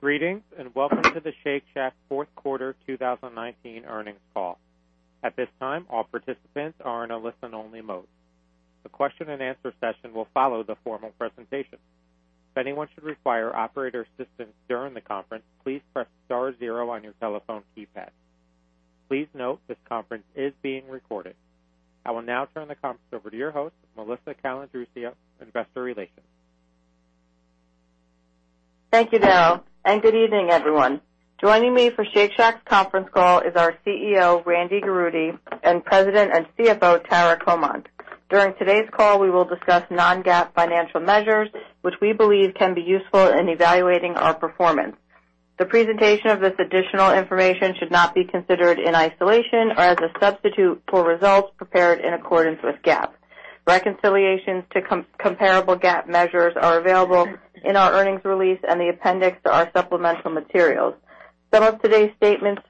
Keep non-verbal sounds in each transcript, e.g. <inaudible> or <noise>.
Greetings, welcome to the Shake Shack Fourth Quarter 2019 Earnings Call. At this time, all participants are in a listen-only mode. The question and answer session will follow the formal presentation. If anyone should require operator assistance during the conference, please press star zero on your telephone keypad. Please note this conference is being recorded. I will now turn the conference over to your host, Melissa Calandruccio, Investor Relations. Thank you, Daryl, and good evening, everyone. Joining me for Shake Shack's conference call is our CEO, Randy Garutti, and President and CFO, Tara Comonte. During today's call, we will discuss non-GAAP financial measures, which we believe can be useful in evaluating our performance. The presentation of this additional information should not be considered in isolation or as a substitute for results prepared in accordance with GAAP. Reconciliations to comparable GAAP measures are available in our earnings release and the appendix to our supplemental materials. Some of today's statements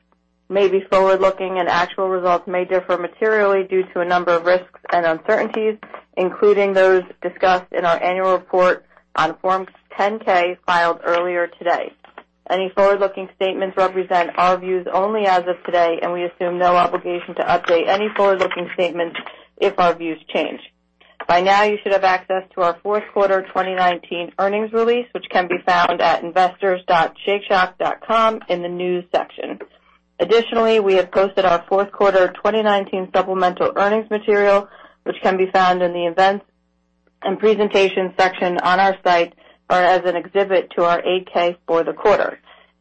may be forward-looking, and actual results may differ materially due to a number of risks and uncertainties, including those discussed in our annual report on Forms 10-K filed earlier today. Any forward-looking statements represent our views only as of today, and we assume no obligation to update any forward-looking statements if our views change. By now, you should have access to our fourth quarter 2019 earnings release, which can be found at investors.shakeshack.com in the News section. Additionally, we have posted our fourth quarter 2019 supplemental earnings material, which can be found in the Events and Presentation section on our site or as an exhibit to our 8-K for the quarter.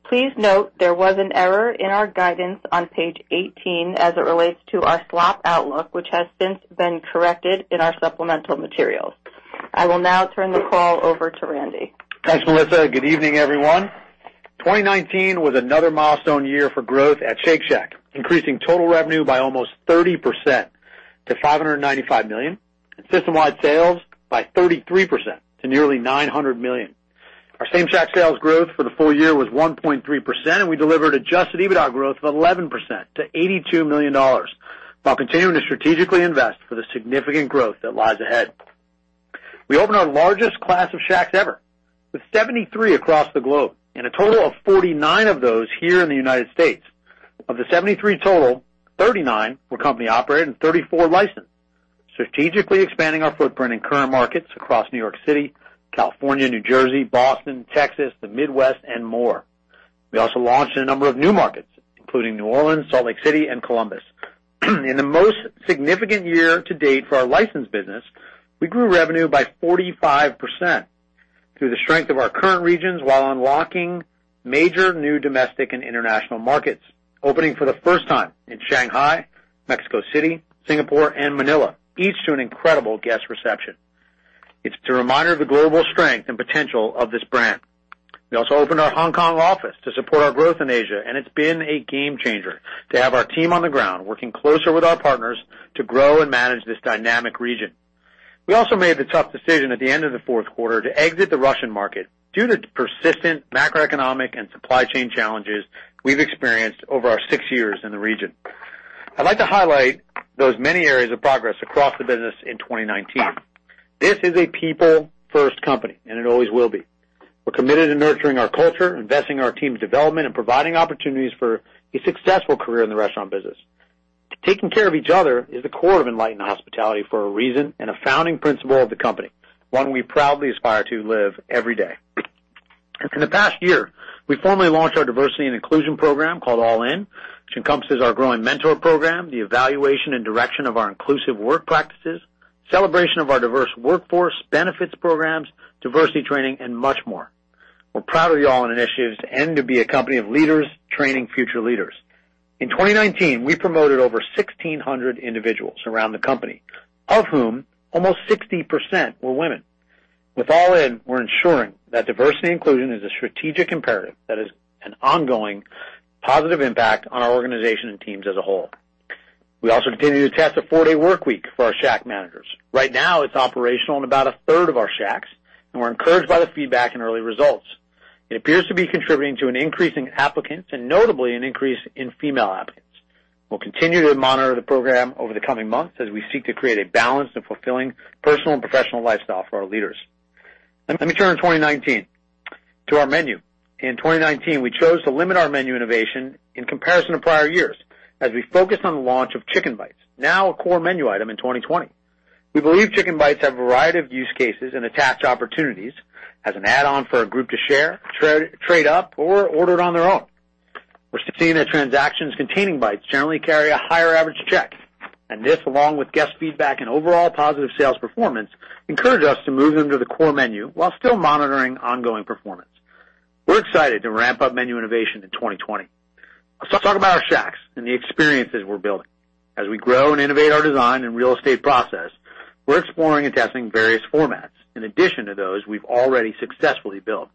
Please note there was an error in our guidance on page 18 as it relates to our swap outlook, which has since been corrected in our supplemental materials. I will now turn the call over to Randy. Thanks, Melissa. Good evening, everyone. 2019 was another milestone year for growth at Shake Shack, increasing total revenue by almost 30% to $595 million and systemwide sales by 33% to nearly $900 million. Our Same-Shack sales growth for the full year was 1.3%, and we delivered adjusted EBITDA growth of 11% to $82 million, while continuing to strategically invest for the significant growth that lies ahead. We opened our largest class of Shacks ever, with 73 across the globe and a total of 49 of those here in the United States. Of the 73 total, 39 were company-operated and 34 licensed, strategically expanding our footprint in current markets across New York City, California, New Jersey, Boston, Texas, the Midwest, and more. We also launched in a number of new markets, including New Orleans, Salt Lake City, and Columbus. In the most significant year to date for our licensed business, we grew revenue by 45% through the strength of our current regions while unlocking major new domestic and international markets, opening for the first time in Shanghai, Mexico City, Singapore, and Manila, each to an incredible guest reception. It's a reminder of the global strength and potential of this brand. We also opened our Hong Kong office to support our growth in Asia, and it's been a game changer to have our team on the ground working closer with our partners to grow and manage this dynamic region. We also made the tough decision at the end of the fourth quarter to exit the Russian market due to persistent macroeconomic and supply chain challenges we've experienced over our six years in the region. I'd like to highlight those many areas of progress across the business in 2019. This is a people-first company, and it always will be. We're committed to nurturing our culture, investing in our team's development, and providing opportunities for a successful career in the restaurant business. Taking care of each other is the core of enlightened hospitality for a reason and a founding principle of the company, one we proudly aspire to live every day. In the past year, we formally launched our diversity and inclusion program called All In, which encompasses our growing mentor program, the evaluation and direction of our inclusive work practices, celebration of our diverse workforce, benefits programs, diversity training, and much more. We're proud of the All In initiatives and to be a company of leaders training future leaders. In 2019, we promoted over 1,600 individuals around the company, of whom almost 60% were women. With All-In, we're ensuring that diversity and inclusion is a strategic imperative that has an ongoing positive impact on our organization and teams as a whole. We also continue to test a four-day workweek for our Shack managers. Right now, it's operational in about a third of our Shacks, and we're encouraged by the feedback and early results. It appears to be contributing to an increase in applicants and notably an increase in female applicants. We'll continue to monitor the program over the coming months as we seek to create a balanced and fulfilling personal and professional lifestyle for our leaders. Let me turn to 2019, to our menu. In 2019, we chose to limit our menu innovation in comparison to prior years as we focused on the launch of Chicken Bites, now a core menu item in 2020. We believe Chicken Bites have a variety of use cases and attached opportunities as an add-on for a group to share, trade up, or order it on their own. We're seeing that transactions containing bites generally carry a higher average check, and this, along with guest feedback and overall positive sales performance, encouraged us to move them to the core menu while still monitoring ongoing performance. We're excited to ramp up menu innovation in 2020. Let's talk about our Shacks and the experiences we're building. As we grow and innovate our design and real estate process, we're exploring and testing various formats in addition to those we've already successfully built.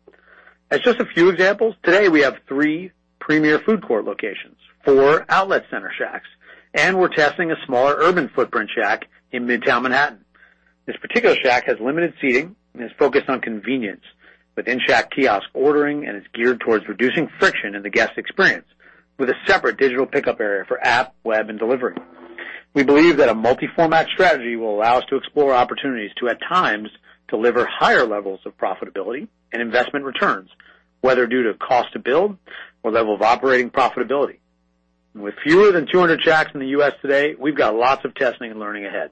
As just a few examples, today, we have three premier food court locations, four outlet center Shacks, and we're testing a smaller urban footprint Shack in Midtown Manhattan. This particular Shack has limited seating and is focused on convenience with in-Shack kiosk ordering and is geared towards reducing friction in the guest experience with a separate digital pickup area for app, web, and delivery. We believe that a multi-format strategy will allow us to explore opportunities to, at times, deliver higher levels of profitability and investment returns, whether due to cost to build or level of operating profitability. With fewer than 200 Shacks in the U.S. today, we've got lots of testing and learning ahead.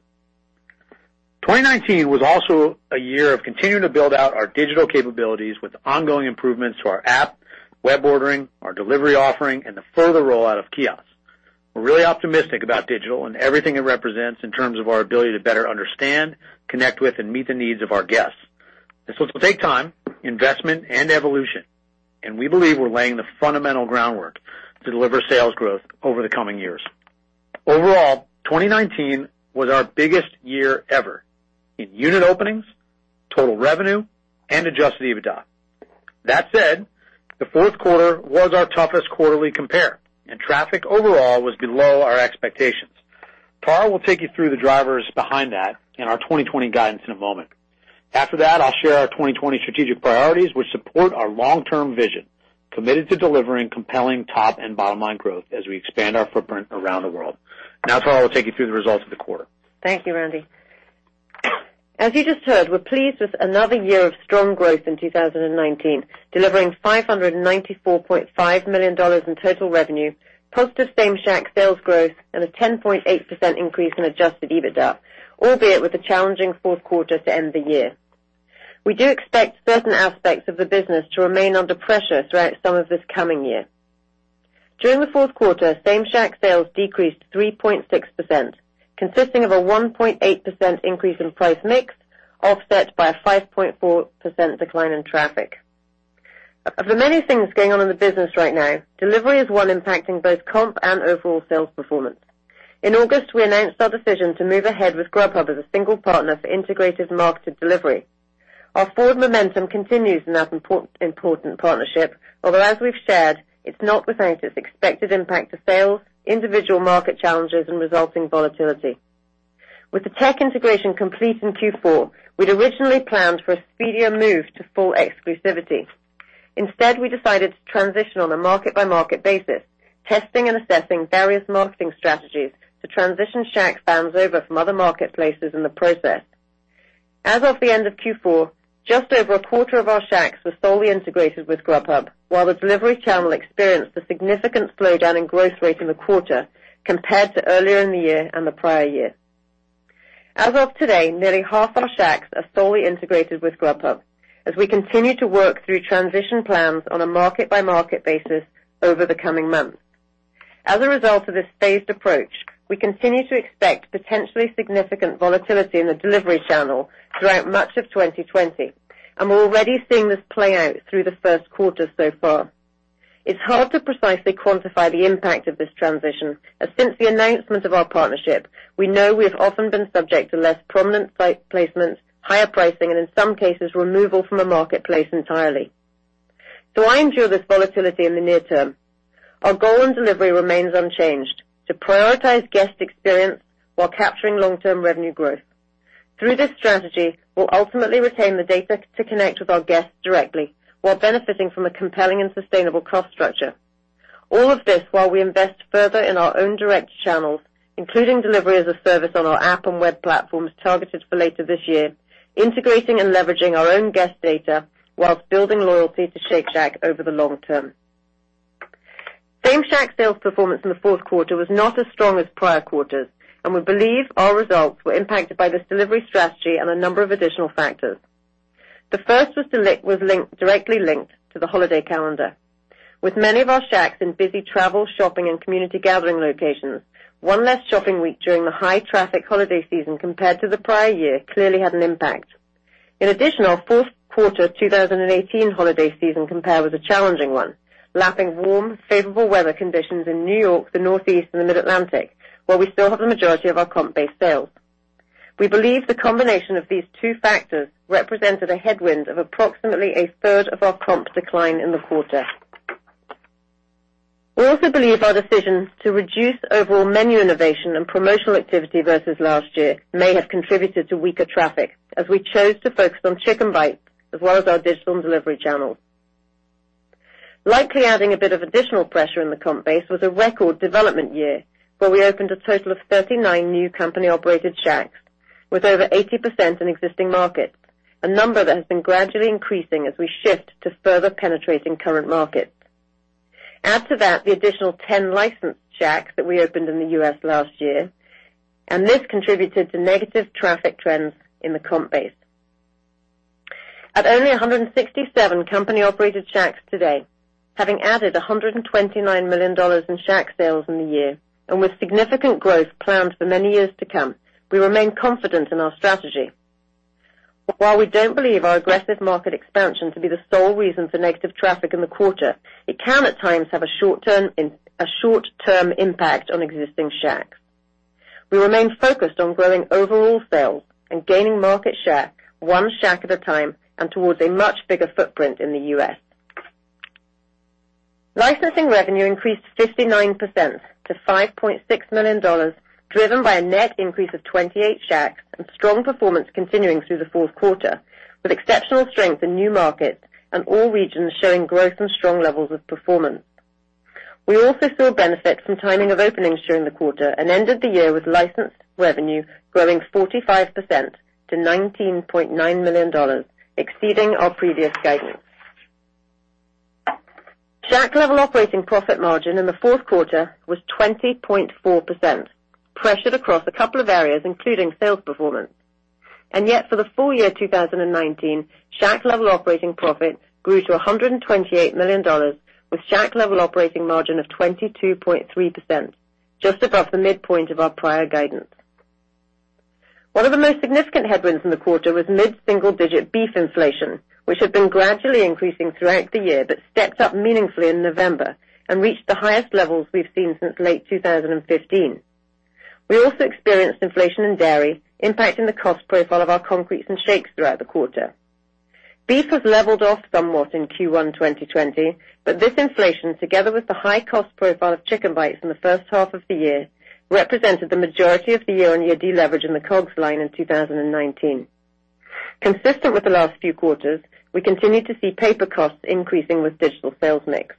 2019 was also a year of continuing to build out our digital capabilities with ongoing improvements to our app, web ordering, our delivery offering, and the further rollout of kiosks. We're really optimistic about digital and everything it represents in terms of our ability to better understand, connect with, and meet the needs of our guests. This will take time, investment, and evolution, and we believe we're laying the fundamental groundwork to deliver sales growth over the coming years. Overall, 2019 was our biggest year ever in unit openings, total revenue, and adjusted EBITDA. That said, the fourth quarter was our toughest quarterly compare, and traffic overall was below our expectations. Tara will take you through the drivers behind that and our 2020 guidance in a moment. After that, I'll share our 2020 strategic priorities, which support our long-term vision, committed to delivering compelling top and bottom-line growth as we expand our footprint around the world. Tara will take you through the results of the quarter. Thank you, Randy. As you just heard, we're pleased with another year of strong growth in 2019, delivering $594.5 million in total revenue, positive Same-Shack sales growth, and a 10.8% increase in adjusted EBITDA, albeit with a challenging fourth quarter to end the year. We do expect certain aspects of the business to remain under pressure throughout some of this coming year. During the fourth quarter, Same-Shack sales decreased 3.6%, consisting of a 1.8% increase in price mix, offset by a 5.4% decline in traffic. Of the many things going on in the business right now, delivery is one impacting both comp and overall sales performance. In August, we announced our decision to move ahead with Grubhub as a single partner for integrated marketed delivery. Our forward momentum continues in that important partnership, although as we've shared, it's not without its expected impact to sales, individual market challenges, and resulting volatility. With the tech integration complete in Q4, we'd originally planned for a speedier move to full exclusivity. Instead, we decided to transition on a market-by-market basis, testing and assessing various marketing strategies to transition Shack fans over from other marketplaces in the process. As of the end of Q4, just over a quarter of our Shacks were solely integrated with Grubhub, while the delivery channel experienced a significant slowdown in growth rate in the quarter compared to earlier in the year and the prior year. As of today, nearly half our Shacks are solely integrated with Grubhub as we continue to work through transition plans on a market-by-market basis over the coming months. As a result of this phased approach, we continue to expect potentially significant volatility in the delivery channel throughout much of 2020, and we're already seeing this play out through the first quarter so far. It's hard to precisely quantify the impact of this transition, as since the announcement of our partnership, we know we have often been subject to less prominent site placements, higher pricing, and in some cases, removal from the marketplace entirely. Though I endure this volatility in the near term, our goal in delivery remains unchanged, to prioritize guest experience while capturing long-term revenue growth. Through this strategy, we'll ultimately retain the data to connect with our guests directly while benefiting from a compelling and sustainable cost structure. All of this while we invest further in our own direct channels, including delivery as a service on our app and web platforms targeted for later this year, integrating and leveraging our own guest data whilst building loyalty to Shake Shack over the long term. Same-Shack sales performance in the fourth quarter was not as strong as prior quarters, and we believe our results were impacted by this delivery strategy and a number of additional factors. The first was directly linked to the holiday calendar. With many of our Shacks in busy travel, shopping, and community gathering locations, one less shopping week during the high-traffic holiday season compared to the prior year clearly had an impact. In addition, our fourth quarter 2018 holiday season compare was a challenging one, lapping warm, favorable weather conditions in New York, the Northeast, and the Mid-Atlantic, where we still have the majority of our comp-based sales. We believe the combination of these two factors represented a headwind of approximately a third of our comp decline in the quarter. We also believe our decisions to reduce overall menu innovation and promotional activity versus last year may have contributed to weaker traffic, as we chose to focus on Chicken Bites as well as our digital and delivery channels. Likely adding a bit of additional pressure in the comp base was a record development year, where we opened a total of 39 new company-operated Shacks with over 80% in existing markets, a number that has been gradually increasing as we shift to further penetrating current markets. Add to that the additional 10 licensed Shacks that we opened in the U.S. last year, and this contributed to negative traffic trends in the comp base. At only 167 company-operated Shacks today, having added $129 million in Shack sales in the year, and with significant growth planned for many years to come, we remain confident in our strategy. While we don't believe our aggressive market expansion to be the sole reason for negative traffic in the quarter, it can at times have a short-term impact on existing Shacks. We remain focused on growing overall sales and gaining market share one Shack at a time and towards a much bigger footprint in the U.S. Licensing revenue increased 59% to $5.6 million, driven by a net increase of 28 Shacks and strong performance continuing through the fourth quarter, with exceptional strength in new markets and all regions showing growth and strong levels of performance. We also saw benefits from timing of openings during the quarter and ended the year with licensed revenue growing 45% to $19.9 million, exceeding our previous guidance. Shack-level operating profit margin in the fourth quarter was 20.4%, pressured across a couple of areas, including sales performance. For the full year 2019, Shack-level operating profit grew to $128 million with Shack-level operating margin of 22.3%, just above the midpoint of our prior guidance. One of the most significant headwinds in the quarter was mid-single-digit beef inflation, which had been gradually increasing throughout the year but stepped up meaningfully in November and reached the highest levels we've seen since late 2015. We also experienced inflation in dairy, impacting the cost profile of our concretes and shakes throughout the quarter. This inflation, together with the high cost profile of Chicken Bites in the first half of the year, represented the majority of the year-on-year deleverage in the COGS line in 2019. Consistent with the last few quarters, we continue to see paper costs increasing with digital sales mix.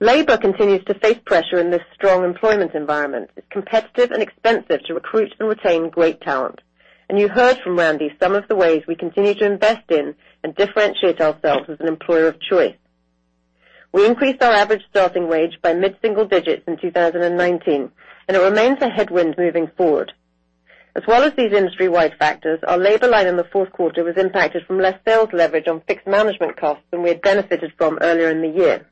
Labor continues to face pressure in this strong employment environment. It's competitive and expensive to recruit and retain great talent. You heard from Randy some of the ways we continue to invest in and differentiate ourselves as an employer of choice. We increased our average starting wage by mid-single digits in 2019, and it remains a headwind moving forward. As well as these industry-wide factors, our labor line in the fourth quarter was impacted from less sales leverage on fixed management costs than we had benefited from earlier in the year.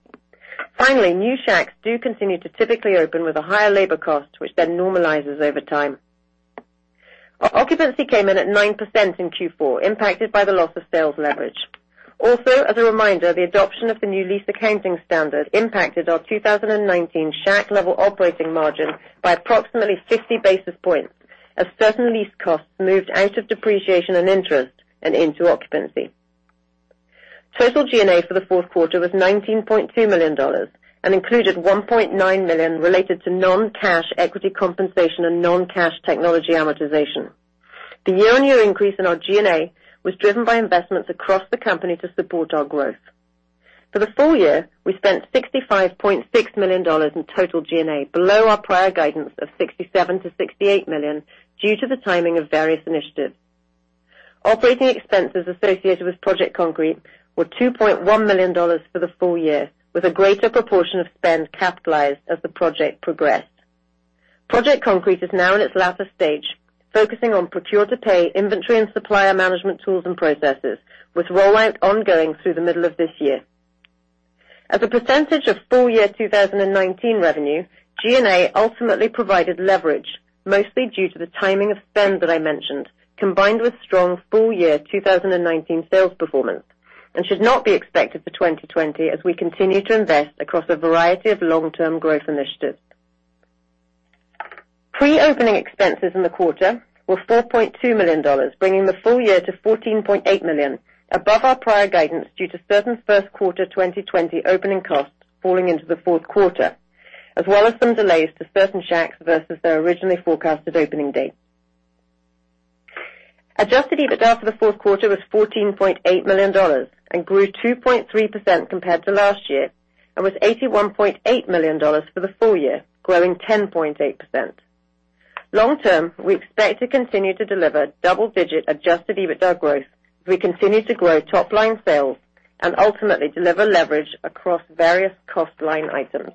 Finally, new Shacks do continue to typically open with a higher labor cost, which then normalizes over time. Our occupancy came in at 9% in Q4, impacted by the loss of sales leverage. Also, as a reminder, the adoption of the new lease accounting standard impacted our 2019 Shack-level operating margin by approximately 50 basis points, as certain lease costs moved out of depreciation and interest and into occupancy. Total G&A for the fourth quarter was $19.2 million and included $1.9 million related to non-cash equity compensation and non-cash technology amortization. The year-on-year increase in our G&A was driven by investments across the company to support our growth. For the full year, we spent $65.6 million in total G&A, below our prior guidance of $67 million-$68 million due to the timing of various initiatives. Operating expenses associated with Project Concrete were $2.1 million for the full year, with a greater proportion of spend capitalized as the project progressed. Project Concrete is now in its latter stage, focusing on procure-to-pay inventory and supplier management tools and processes, with rollout ongoing through the middle of this year. As a percentage of full year 2019 revenue, G&A ultimately provided leverage, mostly due to the timing of spend that I mentioned, combined with strong full year 2019 sales performance, and should not be expected for 2020 as we continue to invest across a variety of long-term growth initiatives. Pre-opening expenses in the quarter were $4.2 million, bringing the full year to $14.8 million, above our prior guidance due to certain first quarter 2020 opening costs falling into the fourth quarter, as well as some delays to certain Shacks versus their originally forecasted opening date. Adjusted EBITDA for the fourth quarter was $14.8 million and grew 2.3% compared to last year and was $81.8 million for the full year, growing 10.8%. Long-term, we expect to continue to deliver double-digit adjusted EBITDA growth as we continue to grow top-line sales and ultimately deliver leverage across various cost line items.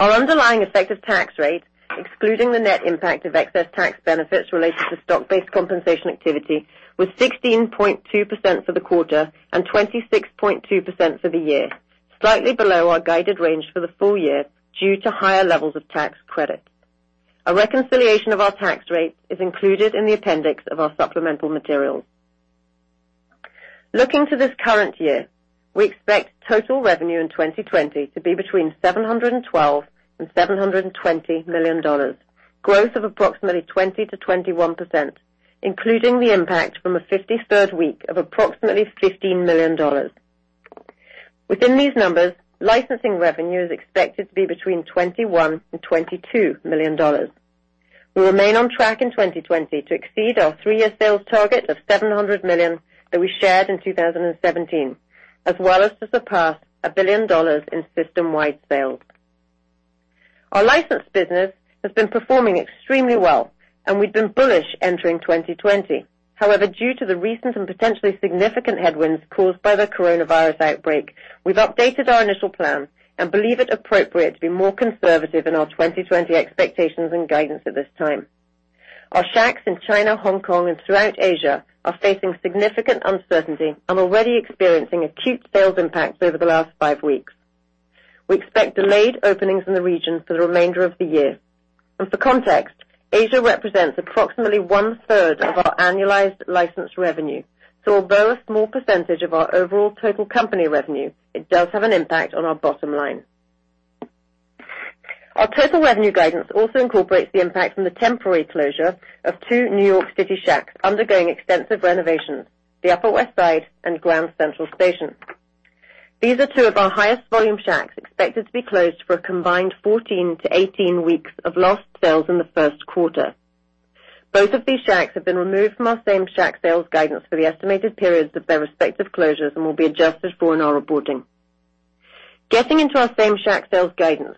Our underlying effective tax rate, excluding the net impact of excess tax benefits related to stock-based compensation activity, was 16.2% for the quarter and 26.2% for the year, slightly below our guided range for the full year due to higher levels of tax credits. A reconciliation of our tax rate is included in the appendix of our supplemental materials. Looking to this current year, we expect total revenue in 2020 to be between $712 million and $720 million, growth of approximately 20%-21%, including the impact from a 53rd week of approximately $15 million. Within these numbers, licensing revenue is expected to be between $21 million and $22 million. We remain on track in 2020 to exceed our three-year sales target of $700 million that we shared in 2017, as well as to surpass $1 billion in system-wide sales. Our licensed business has been performing extremely well. We've been bullish entering 2020. However, due to the recent and potentially significant headwinds caused by the coronavirus outbreak, we've updated our initial plan and believe it appropriate to be more conservative in our 2020 expectations and guidance at this time. Our Shacks in China, Hong Kong, and throughout Asia are facing significant uncertainty and already experiencing acute sales impacts over the last five weeks. We expect delayed openings in the region for the remainder of the year. For context, Asia represents approximately 1/3 of our annualized licensed revenue. Although a small percentage of our overall total company revenue, it does have an impact on our bottom line. Our total revenue guidance also incorporates the impact from the temporary closure of two New York City Shacks undergoing extensive renovations, the Upper West Side and Grand Central Station. These are two of our highest volume Shacks expected to be closed for a combined 14-18 weeks of lost sales in the first quarter. Both of these Shacks have been removed from our Same-Shack sales guidance for the estimated periods of their respective closures and will be adjusted for in our reporting. Getting into our Same-Shack sales guidance.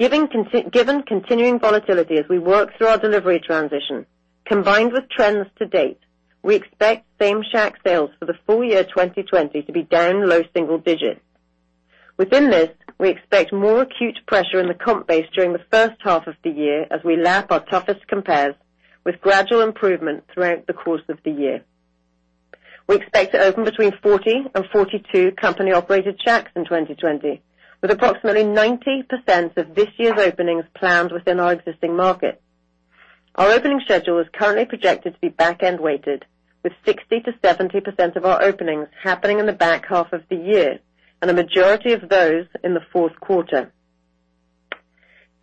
Given continuing volatility as we work through our delivery transition, combined with trends to date, we expect Same-Shack sales for the full year 2020 to be down low single digits. Within this, we expect more acute pressure in the comp base during the first half of the year as we lap our toughest compares, with gradual improvement throughout the course of the year. We expect to open between 40 and 42 company-operated Shacks in 2020, with approximately 90% of this year's openings planned within our existing markets. Our opening schedule is currently projected to be back-end weighted, with 60%-70% of our openings happening in the back half of the year, and a majority of those in the fourth quarter.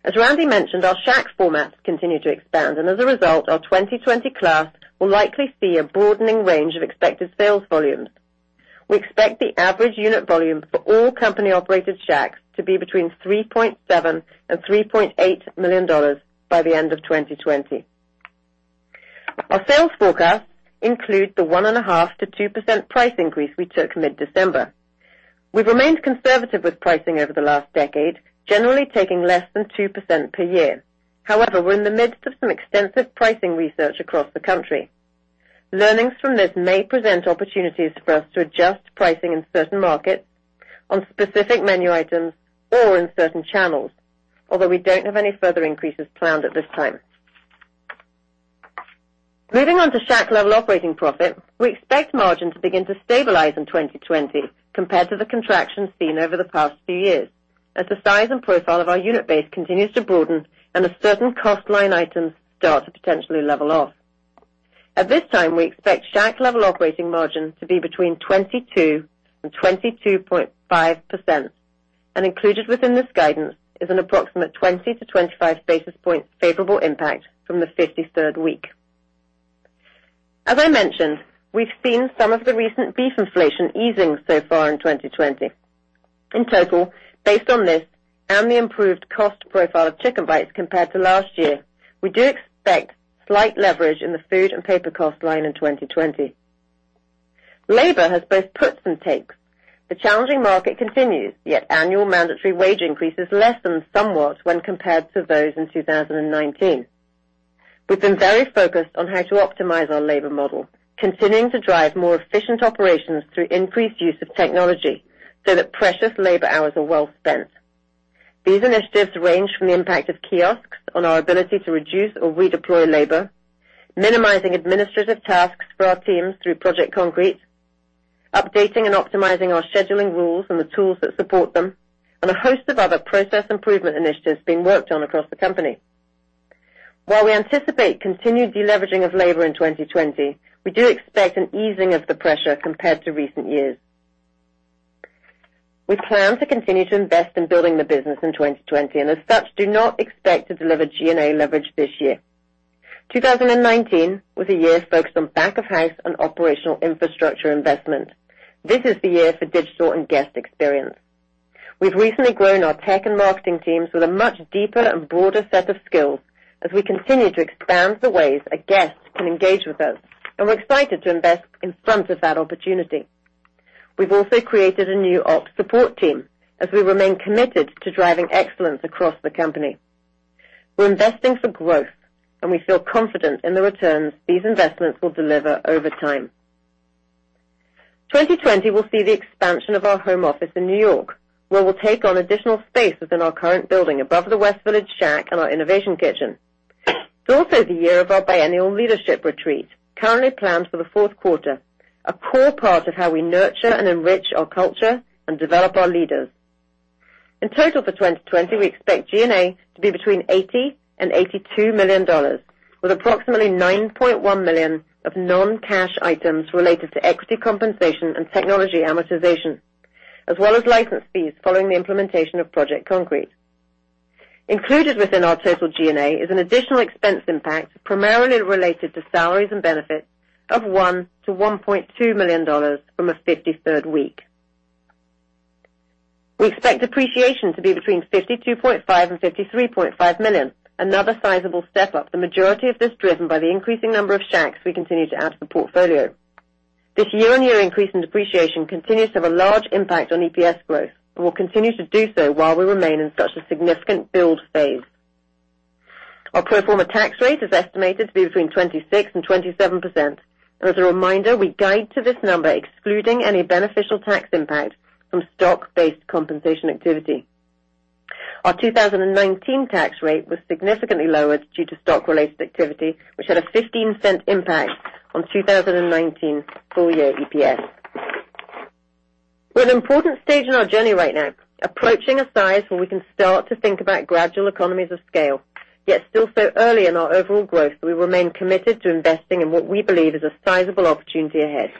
As Randy mentioned, our Shack formats continue to expand, and as a result, our 2020 class will likely see a broadening range of expected sales volumes. We expect the average unit volume for all company-operated Shacks to be between $3.7 million and $3.8 million by the end of 2020. Our sales forecasts include the 1.5%-2% price increase we took mid-December. We've remained conservative with pricing over the last decade, generally taking less than 2% per year. However, we're in the midst of some extensive pricing research across the country. Learnings from this may present opportunities for us to adjust pricing in certain markets on specific menu items or in certain channels, although we don't have any further increases planned at this time. Moving on to Shack-level operating profit, we expect margin to begin to stabilize in 2020 compared to the contraction seen over the past few years, as the size and profile of our unit base continues to broaden and as certain cost line items start to potentially level off. At this time, we expect Shack-level operating margin to be between 22% and 22.5%, and included within this guidance is an approximate 20-25 basis point favorable impact from the 53rd week. As I mentioned, we've seen some of the recent beef inflation easing so far in 2020. In total, based on this and the improved cost profile of Chicken Bites compared to last year, we do expect slight leverage in the food and paper cost line in 2020. Labor has both puts and takes. The challenging market continues, yet annual mandatory wage increase is less than somewhat when compared to those in 2019. We've been very focused on how to optimize our labor model, continuing to drive more efficient operations through increased use of technology so that precious labor hours are well spent. These initiatives range from the impact of kiosks on our ability to reduce or redeploy labor, minimizing administrative tasks for our teams through Project Concrete, updating and optimizing our scheduling rules and the tools that support them, and a host of other process improvement initiatives being worked on across the company. While we anticipate continued deleveraging of labor in 2020, we do expect an easing of the pressure compared to recent years. We plan to continue to invest in building the business in 2020, as such, do not expect to deliver G&A leverage this year. 2019 was a year focused on back of house and operational infrastructure investment. This is the year for digital and guest experience. We've recently grown our tech and marketing teams with a much deeper and broader set of skills as we continue to expand the ways a guest can engage with us, we're excited to invest in front of that opportunity. We've also created a new ops support team as we remain committed to driving excellence across the company. We're investing for growth, we feel confident in the returns these investments will deliver over time. 2020 will see the expansion of our home office in New York, where we'll take on additional space within our current building above the West Village Shack and our innovation kitchen. It's also the year of our biennial leadership retreat, currently planned for the fourth quarter, a core part of how we nurture and enrich our culture and develop our leaders. In total for 2020, we expect G&A to be between $80 million and $82 million, with approximately $9.1 million of non-cash items related to equity compensation and technology amortization, as well as license fees following the implementation of Project Concrete. Included within our total G&A is an additional expense impact primarily related to salaries and benefits of $1 million-$1.2 million from a 53rd week. We expect depreciation to be between $52.5 million and $53.5 million, another sizable step up, the majority of this driven by the increasing number of Shacks we continue to add to the portfolio. This year-over-year increase in depreciation continues to have a large impact on EPS growth and will continue to do so while we remain in such a significant build phase. Our pro forma tax rate is estimated to be between 26% and 27%. As a reminder, we guide to this number excluding any beneficial tax impact from stock-based compensation activity. Our 2019 tax rate was significantly lower due to stock-related activity, which had a $0.15 impact on 2019 full-year EPS. We're at an important stage in our journey right now, approaching a size where we can start to think about gradual economies of scale, yet still so early in our overall growth that we remain committed to investing in what we believe is a sizable opportunity ahead.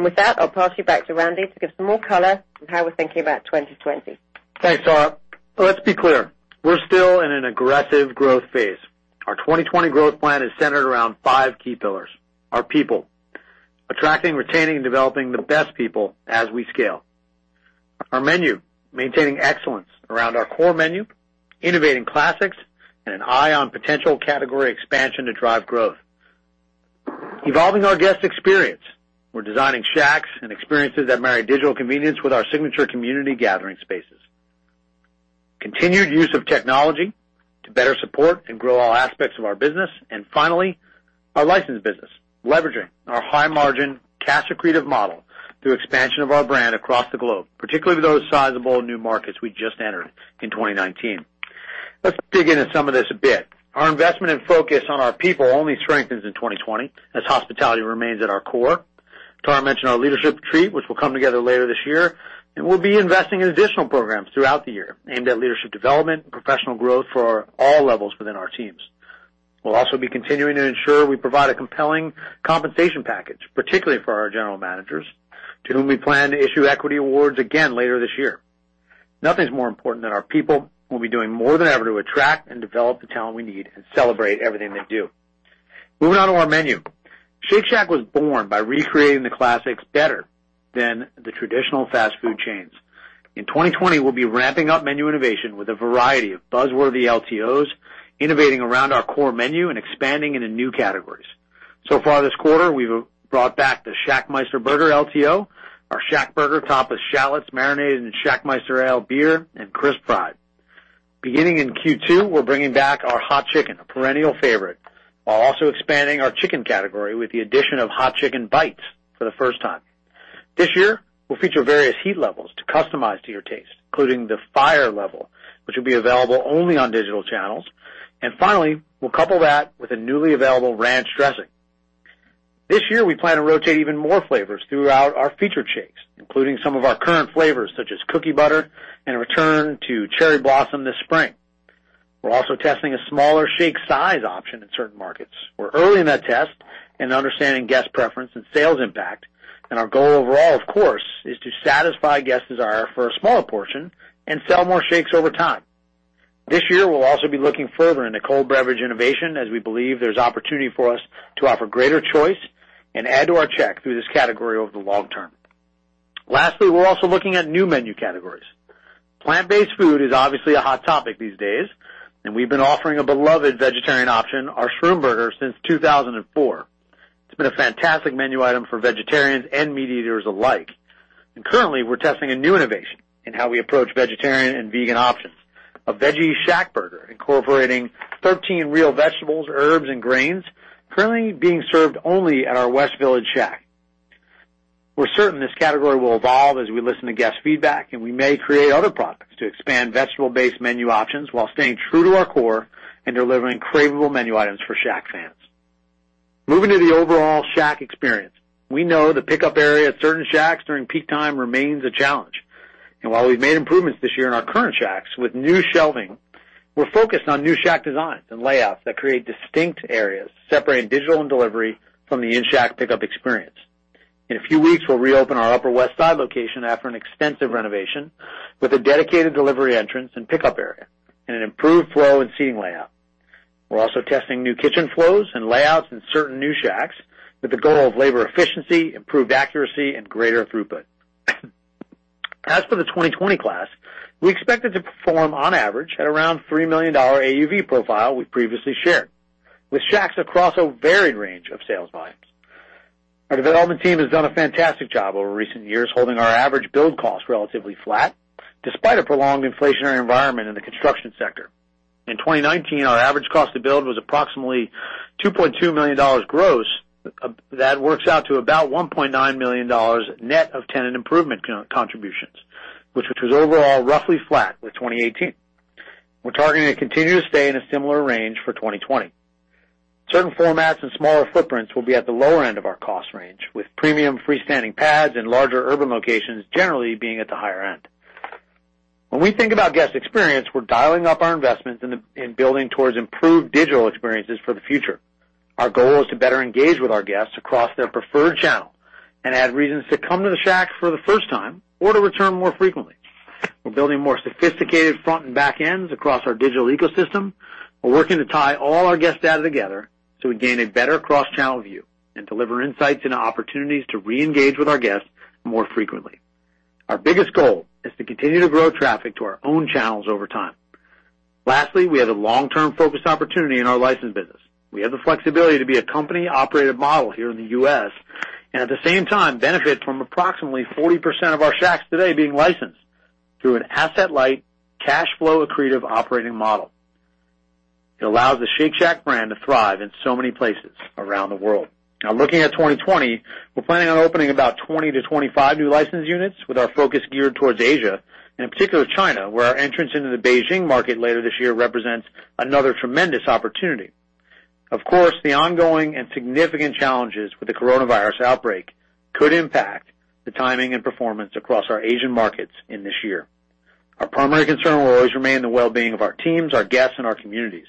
With that, I'll pass you back to Randy to give some more color on how we're thinking about 2020. Thanks, Tara. Let's be clear. We're still in an aggressive growth phase. Our 2020 growth plan is centered around five key pillars. Our people. Attracting, retaining, and developing the best people as we scale. Our menu, maintaining excellence around our core menu, innovating classics, and an eye on potential category expansion to drive growth. Evolving our guest experience. We're designing Shacks and experiences that marry digital convenience with our signature community gathering spaces. Continued use of technology to better support and grow all aspects of our business. Finally, our licensed business, leveraging our high margin cash accretive model through expansion of our brand across the globe, particularly with those sizable new markets we just entered in 2019. Let's dig into some of this a bit. Our investment and focus on our people only strengthens in 2020 as hospitality remains at our core. Tara mentioned our leadership retreat, which will come together later this year, and we'll be investing in additional programs throughout the year aimed at leadership development and professional growth for all levels within our teams. We'll also be continuing to ensure we provide a compelling compensation package, particularly for our general managers, to whom we plan to issue equity awards again later this year. Nothing's more important than our people. We'll be doing more than ever to attract and develop the talent we need and celebrate everything they do. Moving on to our menu. Shake Shack was born by recreating the classics better than the traditional fast food chains. In 2020, we'll be ramping up menu innovation with a variety of buzz-worthy LTOs, innovating around our core menu and expanding into new categories. Far this quarter, we've brought back the ShackMeister burger LTO, our ShackBurger topped with shallots marinated in ShackMeister Ale beer, and crisp fried. Beginning in Q2, we're bringing back our Hot Chicken, a perennial favorite, while also expanding our chicken category with the addition of Hot Chick'n Bites for the first time. This year, we'll feature various heat levels to customize to your taste, including the fire level, which will be available only on digital channels. Finally, we'll couple that with a newly available ranch dressing. This year, we plan to rotate even more flavors throughout our featured shakes, including some of our current flavors, such as Cookie Butter and a return to Cherry Blossom this spring. We're also testing a smaller shake size option in certain markets. We're early in that test and understanding guest preference and sales impact. Our goal overall, of course, is to satisfy guests' desire for a smaller portion and sell more shakes over time. This year, we'll also be looking further into cold beverage innovation, as we believe there's opportunity for us to offer greater choice and add to our check through this category over the long term. Lastly, we're also looking at new menu categories. Plant-based food is obviously a hot topic these days. We've been offering a beloved vegetarian option, our 'Shroom Burger, since 2004. It's been a fantastic menu item for vegetarians and meat eaters alike. Currently, we're testing a new innovation in how we approach vegetarian and vegan options. A Veggie Shacker incorporating 13 real vegetables, herbs, and grains, currently being served only at our West Village Shack. We're certain this category will evolve as we listen to guest feedback. We may create other products to expand vegetable-based menu options while staying true to our core and delivering craveable menu items for Shack fans. Moving to the overall Shack experience. We know the pickup area at certain Shacks during peak time remains a challenge. While we've made improvements this year in our current Shacks with new shelving, we're focused on new Shack designs and layouts that create distinct areas, separating digital and delivery from the in-Shack pickup experience. In a few weeks, we'll reopen our Upper West Side location after an extensive renovation with a dedicated delivery entrance and pickup area and an improved flow and seating layout. We're also testing new kitchen flows and layouts in certain new Shacks with the goal of labor efficiency, improved accuracy, and greater throughput. As for the 2020 class, we expect it to perform on average at around $3 million AUV profile we previously shared with Shacks across a varied range of sales volumes. Our development team has done a fantastic job over recent years, holding our average build cost relatively flat despite a prolonged inflationary environment in the construction sector. In 2019, our average cost to build was approximately $2.2 million gross. That works out to about $1.9 million net of tenant improvement contributions, which was overall roughly flat with 2018. We're targeting to continue to stay in a similar range for 2020. Certain formats and smaller footprints will be at the lower end of our cost range, with premium freestanding pads and larger urban locations generally being at the higher end. When we think about guest experience, we're dialing up our investments in building towards improved digital experiences for the future. Our goal is to better engage with our guests across their preferred channel and add reasons to come to the Shack for the first time or to return more frequently. We're building more sophisticated front and back ends across our digital ecosystem. We're working to tie all our guest data together so we gain a better cross-channel view and deliver insights into opportunities to reengage with our guests more frequently. Our biggest goal is to continue to grow traffic to our own channels over time. Lastly, we have a long-term focused opportunity in our licensed business. We have the flexibility to be a company-operated model here in the U.S., and at the same time, benefit from approximately 40% of our Shacks today being licensed through an asset-light, cash flow accretive operating model. It allows the Shake Shack brand to thrive in so many places around the world. Looking at 2020, we're planning on opening about 20-25 new licensed units with our focus geared towards Asia, and in particular China, where our entrance into the Beijing market later this year represents another tremendous opportunity. Of course, the ongoing and significant challenges with the coronavirus outbreak could impact the timing and performance across our Asian markets in this year. Our primary concern will always remain the well-being of our teams, our guests, and our communities.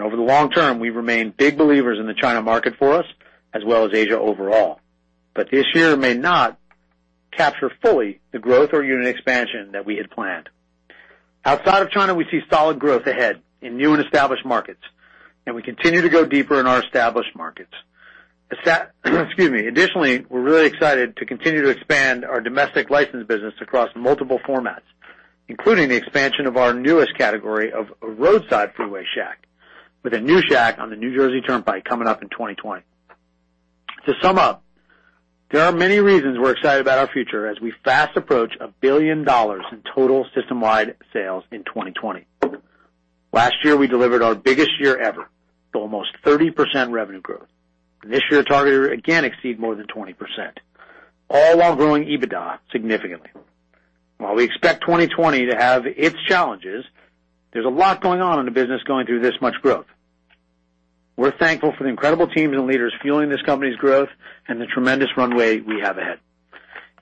Over the long term, we remain big believers in the China market for us, as well as Asia overall. This year may not capture fully the growth or unit expansion that we had planned. Outside of China, we see solid growth ahead in new and established markets, and we continue to go deeper in our established markets. Excuse me. Additionally, we're really excited to continue to expand our domestic license business across multiple formats, including the expansion of our newest category of Roadside Freeway Shack, with a new Shack on the New Jersey Turnpike coming up in 2020. To sum up, there are many reasons we're excited about our future as we fast approach $1 billion in total system-wide sales in 2020. Last year, we delivered our biggest year ever with almost 30% revenue growth. This year targeted to again exceed more than 20%, all while growing EBITDA significantly. While we expect 2020 to have its challenges, there's a lot going on in the business going through this much growth. We're thankful for the incredible teams and leaders fueling this company's growth and the tremendous runway we have ahead.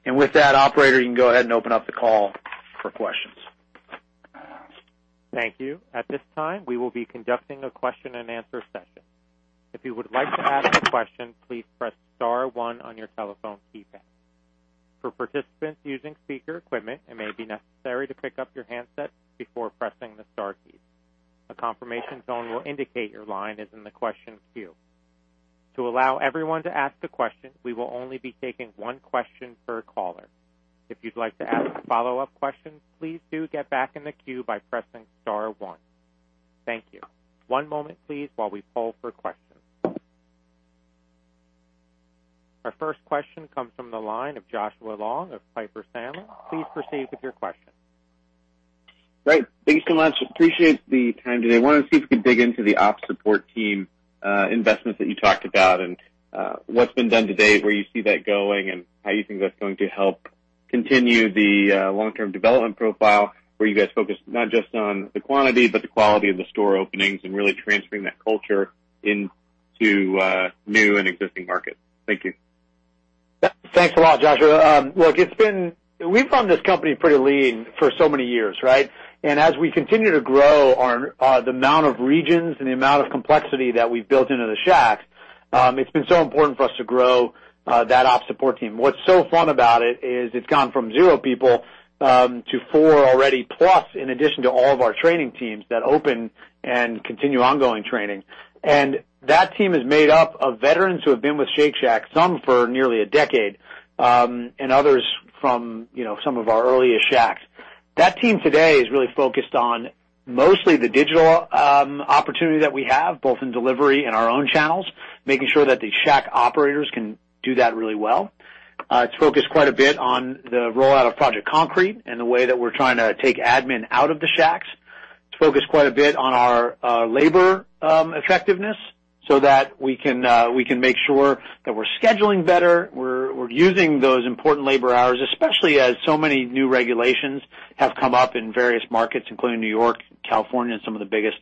With that, operator, you can go ahead and open up the call for questions. Thank you. At this time, we will be conducting a question-and-answer session. If you would like to ask a question, please press star one on your telephone keypad. For participants using speaker equipment, it may be necessary to pick up your handset before pressing the star key. A confirmation tone will indicate your line is in the question queue. To allow everyone to ask a question, we will only be taking one question per caller. If you'd like to ask a follow-up question, please do get back in the queue by pressing star one. Thank you. One moment, please, while we poll for questions. Our first question comes from the line of Joshua Long of Piper Sandler. Please proceed with your question. Great. Thank you so much. Appreciate the time today. Wanted to see if we could dig into the ops support team investments that you talked about and what's been done to date, where you see that going, and how you think that's going to help continue the long-term development profile, where you guys focus not just on the quantity, but the quality of the store openings and really transferring that culture into new and existing markets. Thank you. Thanks a lot, Joshua. Look, we've run this company pretty lean for so many years, right? As we continue to grow the amount of regions and the amount of complexity that we've built into the Shack, it's been so important for us to grow that ops support team. What's so fun about it is it's gone from zero people to four already, plus in addition to all of our training teams that open and continue ongoing training. That team is made up of veterans who have been with Shake Shack, some for nearly a decade, and others from some of our earliest Shacks. That team today is really focused on mostly the digital opportunity that we have, both in delivery and our own channels, making sure that the Shack operators can do that really well. It's focused quite a bit on the rollout of Project Concrete and the way that we're trying to take admin out of the Shacks. It's focused quite a bit on our labor effectiveness so that we can make sure that we're scheduling better. We're using those important labor hours, especially as so many new regulations have come up in various markets, including New York, California, and some of the biggest.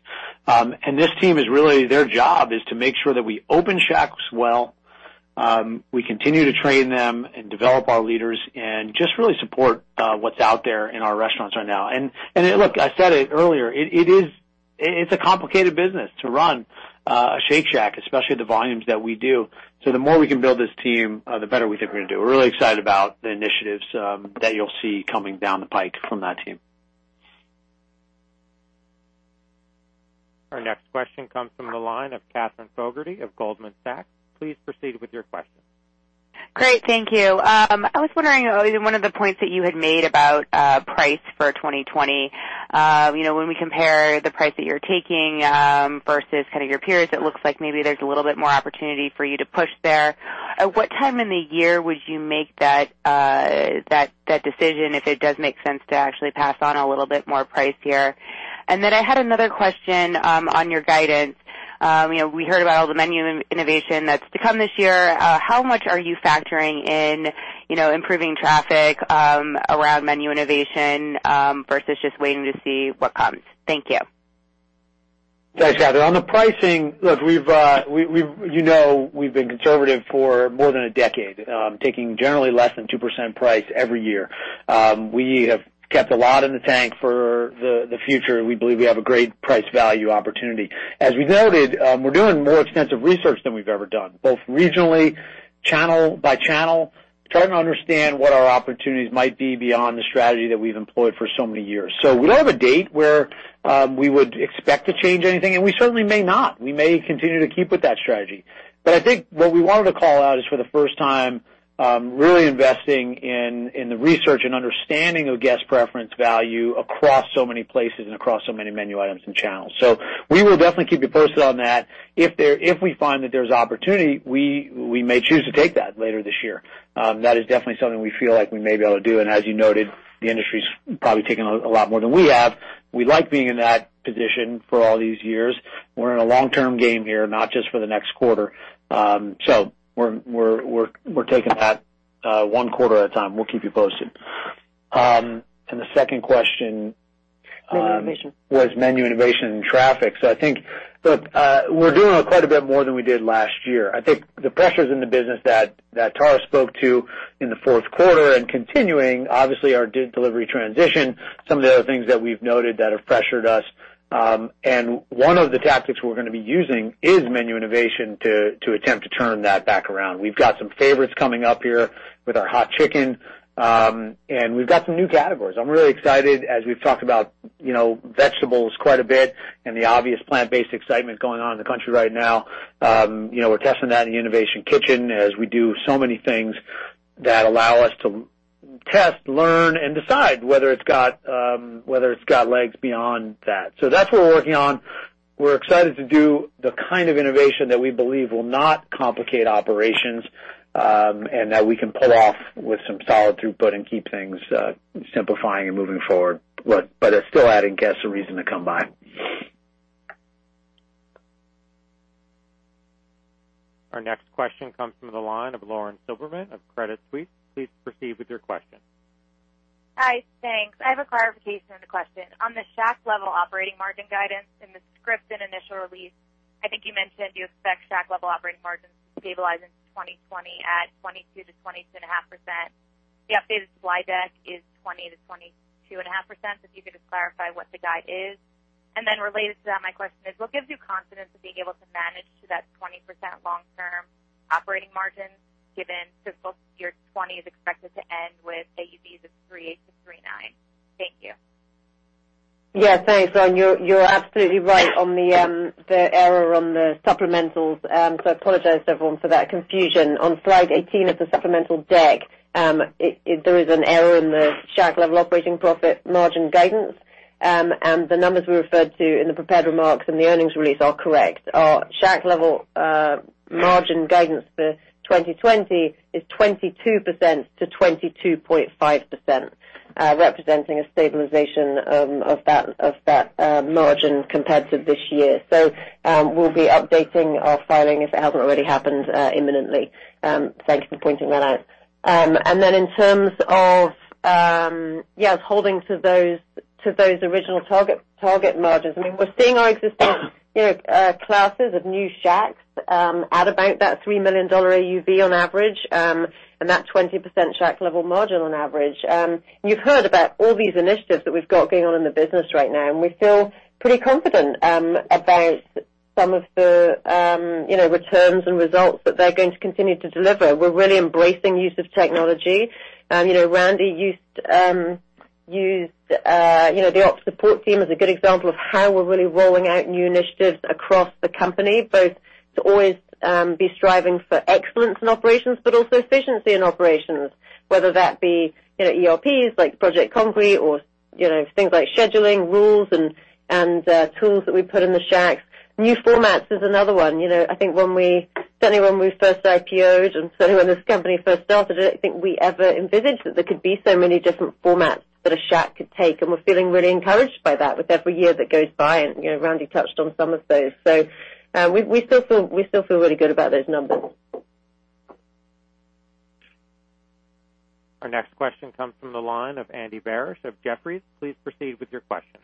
This team, their job is to make sure that we open Shacks well, we continue to train them and develop our leaders and just really support what's out there in our restaurants right now. Look, I said it earlier, it's a complicated business to run a Shake Shack, especially at the volumes that we do. The more we can build this team, the better we think we're going to do. We're really excited about the initiatives that you'll see coming down the pike from that team. Our next question comes from the line of Katherine Fogertey of Goldman Sachs. Please proceed with your question. Great. Thank you. I was wondering, one of the points that you had made about price for 2020. When we compare the price that you're taking versus your peers, it looks like maybe there's a little bit more opportunity for you to push there. At what time in the year would you make that decision if it does make sense to actually pass on a little bit more price here? I had another question on your guidance. We heard about all the menu innovation that's to come this year. How much are you factoring in improving traffic around menu innovation versus just waiting to see what comes? Thank you. Thanks, Katherine. On the pricing, look, you know we've been conservative for more than a decade, taking generally less than 2% price every year. We have kept a lot in the tank for the future. We believe we have a great price-value opportunity. As we noted, we're doing more extensive research than we've ever done, both regionally, channel by channel, trying to understand what our opportunities might be beyond the strategy that we've employed for so many years. We don't have a date where we would expect to change anything, and we certainly may not. We may continue to keep with that strategy. I think what we wanted to call out is for the first time, really investing in the research and understanding of guest preference value across so many places and across so many menu items and channels. We will definitely keep you posted on that. If we find that there's opportunity, we may choose to take that later this year. That is definitely something we feel like we may be able to do. As you noted, the industry's probably taken a lot more than we have. We like being in that position for all these years. We're in a long-term game here, not just for the next quarter. We're taking that one quarter at a time. We'll keep you posted. The second question- Menu innovation was menu innovation and traffic. I think, look, we're doing quite a bit more than we did last year. I think the pressures in the business that Tara spoke to in the fourth quarter and continuing, obviously our delivery transition, some of the other things that we've noted that have pressured us. One of the tactics we're going to be using is menu innovation to attempt to turn that back around. We've got some favorites coming up here with our Hot Chicken, and we've got some new categories. I'm really excited as we've talked about vegetables quite a bit and the obvious plant-based excitement going on in the country right now. We're testing that in the innovation kitchen as we do so many things that allow us to test, learn, and decide whether it's got legs beyond that. That's what we're working on. We're excited to do the kind of innovation that we believe will not complicate operations, and that we can pull off with some solid throughput and keep things simplifying and moving forward, but it's still adding guests a reason to come by. Our next question comes from the line of Lauren Silberman of Credit Suisse. Please proceed with your question. Hi, thanks. I have a clarification and a question. On the Shack-level operating margin guidance in the script and initial release, I think you mentioned you expect Shack-level operating margins to stabilize in 2020 at 22%-22.5%. The updated slide deck is 20%-22.5%. If you could just clarify what the guide is. Related to that, my question is, what gives you confidence of being able to manage to that 20% long-term operating margin given FY 2020 is expected to end with AUVs of 3.8 million-$3.9 million? Thank you. Thanks, Lauren. You're absolutely right on the error on the supplementals. I apologize to everyone for that confusion. On slide 18 of the supplemental deck, there is an error in the Shack-level operating profit margin guidance. The numbers we referred to in the prepared remarks and the earnings release are correct. Our Shack-level margin guidance for 2020 is 22%-22.5%, representing a stabilization of that margin compared to this year. We'll be updating our filing, if it hasn't already happened imminently. Thanks for pointing that out. In terms of holding to those original target margins, we're seeing our existing classes of new Shacks at about that $3 million AUV on average, and that 20% Shack-level margin on average. You've heard about all these initiatives that we've got going on in the business right now. We feel pretty confident about some of the returns and results that they're going to continue to deliver. We're really embracing use of technology. Randy used the ops support team as a good example of how we're really rolling out new initiatives across the company, both to always be striving for excellence in operations, also efficiency in operations. Whether that be ERPs like Project Concrete or things like scheduling, rules, and tools that we put in the Shacks. New formats is another one. I think certainly when we first IPO'd and certainly when this company first started, I don't think we ever envisaged that there could be so many different formats that a Shack could take, and we're feeling really encouraged by that with every year that goes by, and Randy touched on some of those. We still feel really good about those numbers. Our next question comes from the line of Andy Barish of Jefferies. Please proceed with your question.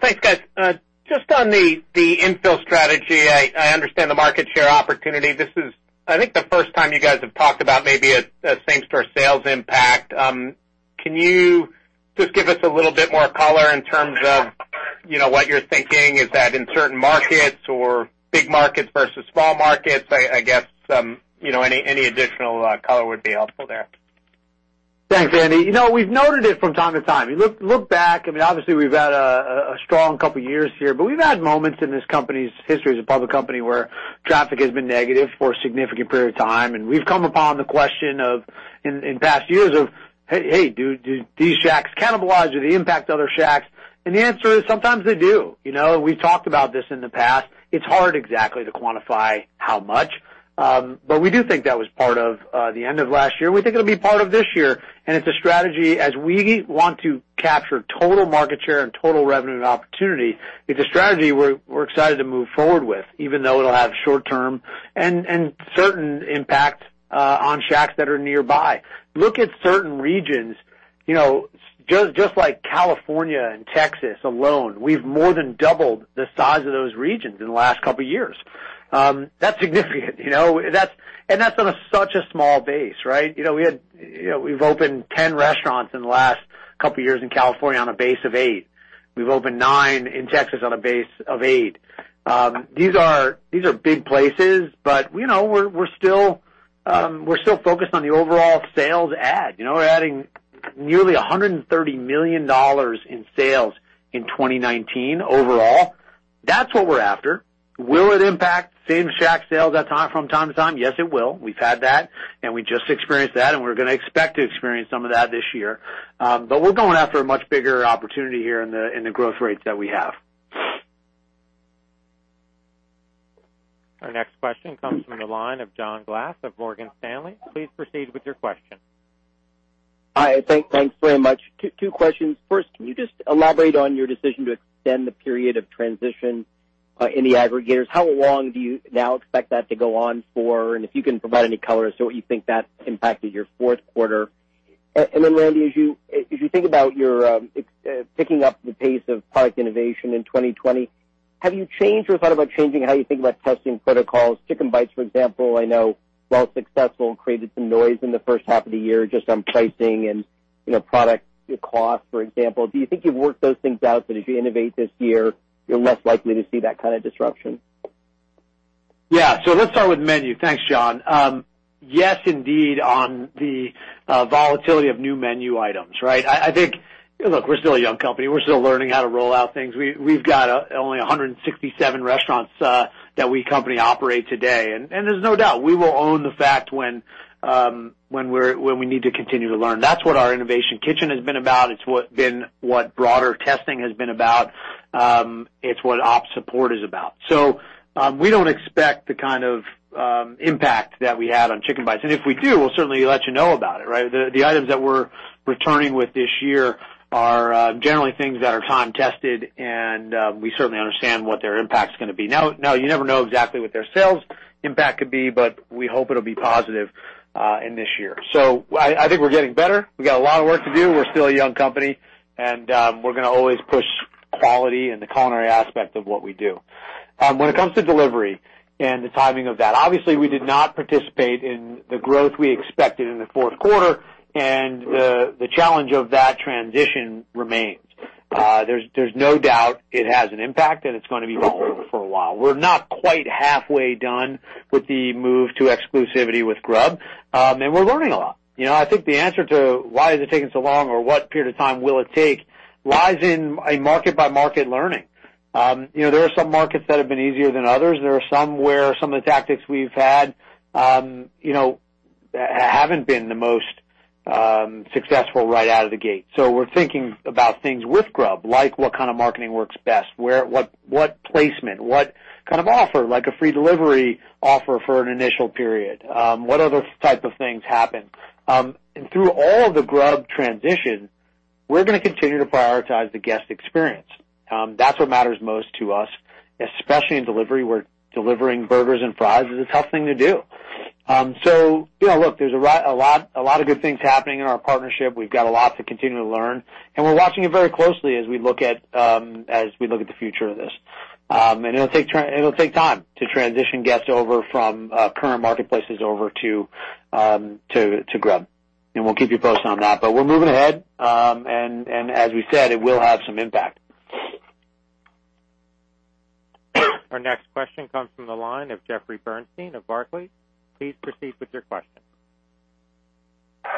Thanks, guys. Just on the infill strategy, I understand the market share opportunity. This is, I think, the first time you guys have talked about maybe a Same-Shack sales impact. Can you just give us a little bit more color in terms of what you're thinking? Is that in certain markets or big markets versus small markets? I guess, any additional color would be helpful there. Thanks, Andy. We've noted it from time to time. You look back, obviously we've had a strong two years here, but we've had moments in this company's history as a public company where traffic has been negative for a significant period of time. We've come upon the question in past years of, "Hey, do these Shacks cannibalize or do they impact other Shacks?" The answer is, sometimes they do. We've talked about this in the past. It's hard exactly to quantify how much. We do think that was part of the end of last year. We think it'll be part of this year, and it's a strategy as we want to capture total market share and total revenue and opportunity. It's a strategy we're excited to move forward with, even though it'll have short-term and certain impact on Shacks that are nearby. Look at certain regions, just like California and Texas alone. We've more than doubled the size of those regions in the last couple of years. That's significant. That's on such a small base, right? We've opened 10 restaurants in the last couple years in California on a base of eight. We've opened nine in Texas on a base of eight. These are big places, but we're still focused on the overall sales add. We're adding nearly $130 million in sales in 2019 overall. That's what we're after. Will it impact Same-Shack sales from time to time? Yes, it will. We've had that, and we just experienced that, and we're going to expect to experience some of that this year. We're going after a much bigger opportunity here in the growth rates that we have. Our next question comes from the line of John Glass of Morgan Stanley. Please proceed with your question. Hi, thanks very much. Two questions. First, can you just elaborate on your decision to extend the period of transition in the aggregators? How long do you now expect that to go on for? If you can provide any color as to what you think that impacted your fourth quarter. Randy, as you think about your picking up the pace of product innovation in 2020. Have you changed or thought about changing how you think about testing protocols? Chicken Bites, for example, I know, while successful, created some noise in the first half of the year just on pricing and product cost, for example. Do you think you've worked those things out, that if you innovate this year, you're less likely to see that kind of disruption? Yeah. Let's start with menu. Thanks, John. Yes, indeed, on the volatility of new menu items, right? I think, look, we're still a young company. We're still learning how to roll out things. We've got only 167 restaurants that we company operate today. There's no doubt we will own the fact when we need to continue to learn. That's what our innovation kitchen has been about. It's what broader testing has been about. It's what op support is about. We don't expect the kind of impact that we had on Chicken Bites. If we do, we'll certainly let you know about it, right? The items that we're returning with this year are generally things that are time tested, and we certainly understand what their impact is going to be. You never know exactly what their sales impact could be, but we hope it'll be positive in this year. I think we're getting better. We got a lot of work to do. We're still a young company, we're going to always push quality in the culinary aspect of what we do. When it comes to delivery and the timing of that, obviously, we did not participate in the growth we expected in the fourth quarter, the challenge of that transition remains. There's no doubt it has an impact, it's going to be going on for a while. We're not quite halfway done with the move to exclusivity with Grubhub, we're learning a lot. I think the answer to why is it taking so long or what period of time will it take lies in a market-by-market learning. There are some markets that have been easier than others. There are some where some of the tactics we've had haven't been the most successful right out of the gate. We're thinking about things with Grubhub, like what kind of marketing works best, what placement, what kind of offer, like a free delivery offer for an initial period. What other type of things happen? Through all the Grubhub transition, we're going to continue to prioritize the guest experience. That's what matters most to us, especially in delivery, where delivering burgers and fries is a tough thing to do. Look, there's a lot of good things happening in our partnership. We've got a lot to continue to learn, and we're watching it very closely as we look at the future of this. It'll take time to transition guests over from current marketplaces over to Grubhub. We'll keep you posted on that. We're moving ahead, and as we said, it will have some impact. Our next question comes from the line of Jeffrey Bernstein of Barclays. Please proceed with your question.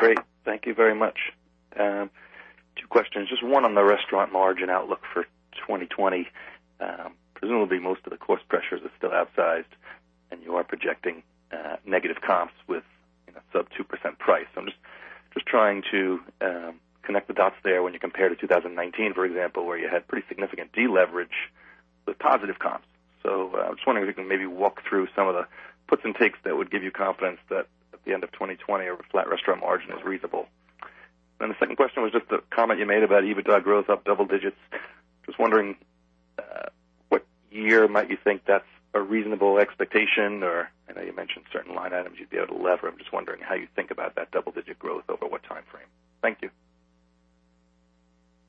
Great. Thank you very much. Two questions. Just one on the restaurant margin outlook for 2020. Presumably, most of the cost pressures are still outsized and you are projecting negative comps with sub 2% price. I'm just trying to connect the dots there when you compare to 2019, for example, where you had pretty significant deleverage with positive comps. I was wondering if you can maybe walk through some of the puts and takes that would give you confidence that at the end of 2020, a flat restaurant margin is reasonable. The second question was just the comment you made about EBITDA growth up double digits. Just wondering what year might you think that's a reasonable expectation or I know you mentioned certain line items you'd be able to lever. I'm just wondering how you think about that double-digit growth over what time frame. Thank you.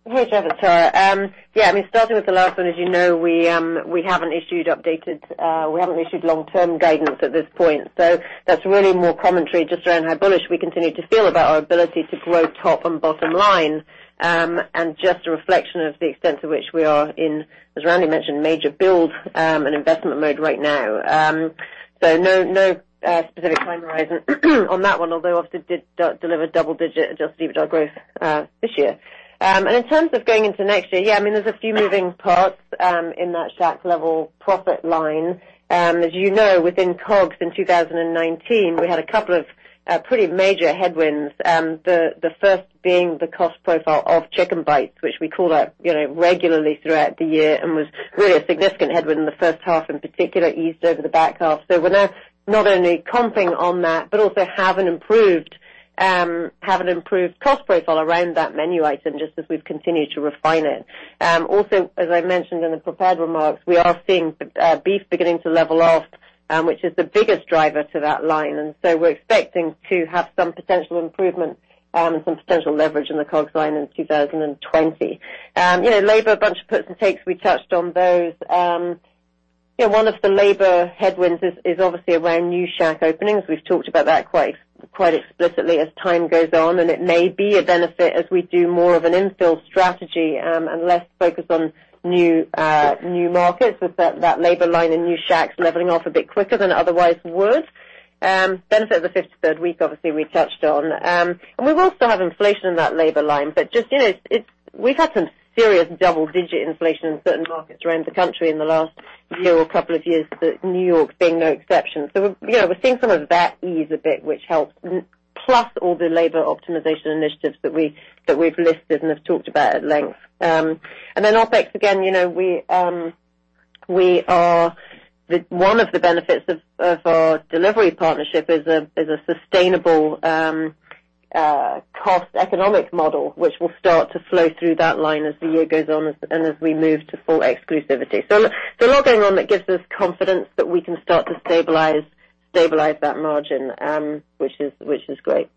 Hey, Jeff. It's Tara. Starting with the last one, as you know, we haven't issued long-term guidance at this point. That's really more commentary just around how bullish we continue to feel about our ability to grow top and bottom line, and just a reflection of the extent to which we are in, as Randy mentioned, major build and investment mode right now. No specific time horizon on that one, although obviously did deliver double-digit adjusted EBITDA growth this year. In terms of going into next year, there's a few moving parts in that Shack level profit line. As you know, within COGS in 2019, we had a couple of pretty major headwinds. The first being the cost profile of Chicken Bites, which we called out regularly throughout the year and was really a significant headwind in the first half in particular, eased over the back half. We're now not only comping on that, but also have an improved cost profile around that menu item just as we've continued to refine it. Also, as I mentioned in the prepared remarks, we are seeing beef beginning to level off, which is the biggest driver to that line. We're expecting to have some potential improvement and some potential leverage in the COGS line in 2020. Labor, a bunch of puts and takes. We touched on those. One of the labor headwinds is obviously around new Shack openings. We've talked about that quite explicitly as time goes on. It may be a benefit as we do more of an infill strategy and less focus on new markets with that labor line and new Shacks leveling off a bit quicker than it otherwise would. Benefit of the 53rd week, obviously, we touched on. We will still have inflation in that labor line, but just we've had some serious double-digit inflation in certain markets around the country in the last year or couple of years, New York being no exception. We're seeing some of that ease a bit, which helps. Plus all the labor optimization initiatives that we've listed and have talked about at length. OpEx, again, one of the benefits of our delivery partnership is a sustainable cost economic model, which will start to flow through that line as the year goes on and as we move to full exclusivity. A lot going on that gives us confidence that we can start to stabilize that margin, which is great.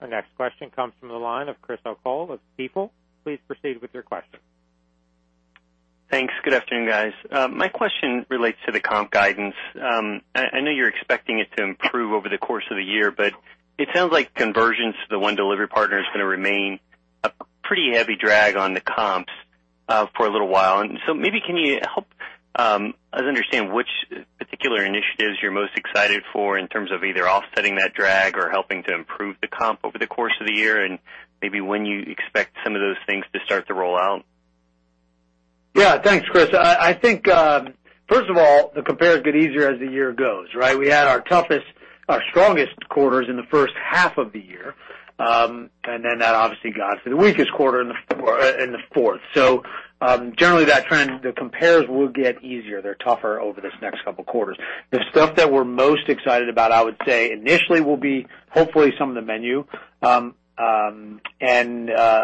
Our next question comes from the line of Chris O'Cull of Stifel. Please proceed with your question. Thanks. Good afternoon, guys. My question relates to the comp guidance. I know you're expecting it to improve over the course of the year, but it sounds like conversions to the one delivery partner is going to remain a pretty heavy drag on the comps for a little while. Maybe can you help us understand which particular initiatives you're most excited for in terms of either offsetting that drag or helping to improve the comp over the course of the year, and maybe when you expect some of those things to start to roll out? Thanks, Chris. I think, first of all, the compares get easier as the year goes, right? We had our strongest quarters in the first half of the year. Then that obviously got us to the weakest quarter in the fourth. Generally, that trend, the compares will get easier. They're tougher over this next couple of quarters. The stuff that we're most excited about, I would say, initially, will be hopefully some of the menu.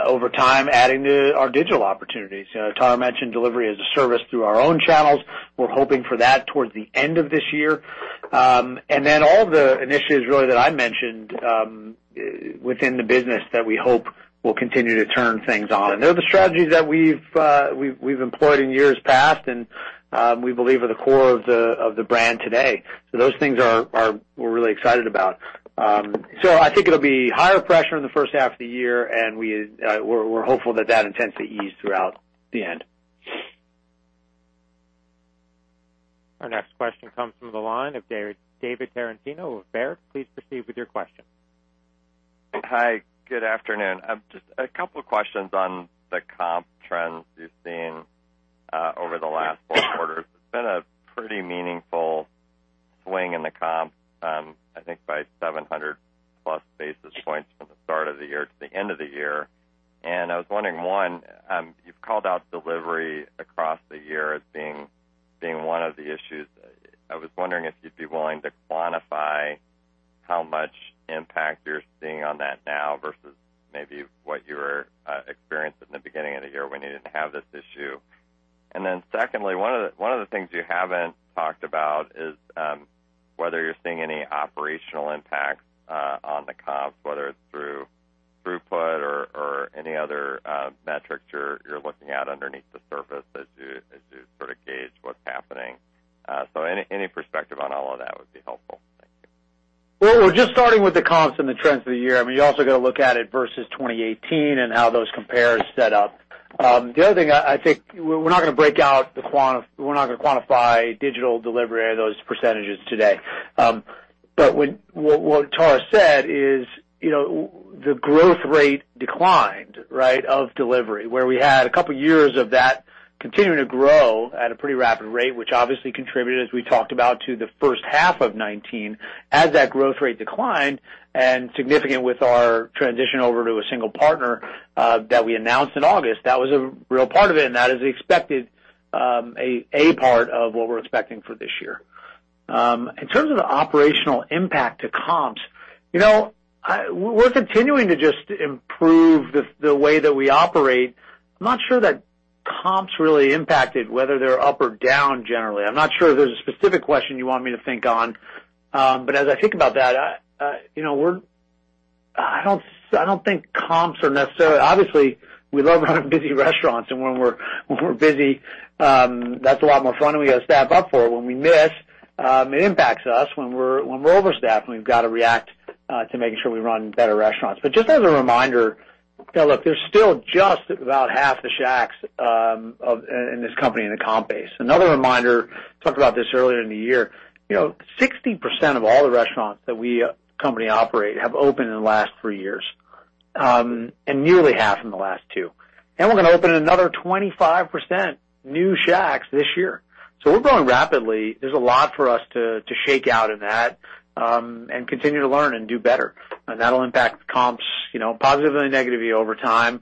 Over time, adding to our digital opportunities. Tara mentioned delivery as a service through our own channels. We're hoping for that towards the end of this year. Then all the initiatives, really, that I mentioned within the business that we hope will continue to turn things on. They're the strategies that we've employed in years past and we believe are the core of the brand today. Those things we're really excited about. I think it'll be higher pressure in the first half of the year, and we're hopeful that that intends to ease throughout the end. Our next question comes from the line of David Tarantino of Baird. Please proceed with your question. Hi. Good afternoon. Just a couple questions on the comp trends you've seen over the last four quarters. It's been a pretty meaningful swing in the comps, I think by 700+ basis points from the start of the year to the end of the year. I was wondering, one, you've called out delivery across the year as being one of the issues. I was wondering if you'd be willing to quantify how much impact you're seeing on that now versus maybe what you were experiencing in the beginning of the year when you didn't have this issue. Secondly, one of the things you haven't talked about is whether you're seeing any operational impacts on the comps, whether it's through throughput or any other metrics you're looking at underneath the surface as you sort of gauge what's happening. Any perspective on all of that would be helpful. Thank you. Well, we're just starting with the comps and the trends of the year. You also got to look at it versus 2018 and how those compares set up. The other thing, I think we're not going to quantify digital delivery or those percentages today. What Tara said is, the growth rate declined of delivery, where we had a couple years of that continuing to grow at a pretty rapid rate, which obviously contributed, as we talked about, to the first half of 2019. As that growth rate declined, and significant with our transition over to a single partner that we announced in August, that was a real part of it, and that is expected a part of what we're expecting for this year. In terms of the operational impact to comps, we're continuing to just improve the way that we operate. I'm not sure that comps really impacted whether they're up or down generally. I'm not sure if there's a specific question you want me to think on. As I think about that, <audio distortion> Obviously, we love running busy restaurants, and when we're busy, that's a lot more fun, and we got to staff up for it. When we miss, it impacts us. When we're overstaffed, we've got to react to making sure we run better restaurants. Just as a reminder, look, there's still just about 1/2 the Shacks in this company in the comp base. Another reminder, we talked about this earlier in the year. 60% of all the restaurants that we company operate have opened in the last three years, and nearly 1/2 in the last two. We're going to open another 25% new Shacks this year. We're growing rapidly. There's a lot for us to shake out in that, and continue to learn and do better. That'll impact comps positively and negatively over time.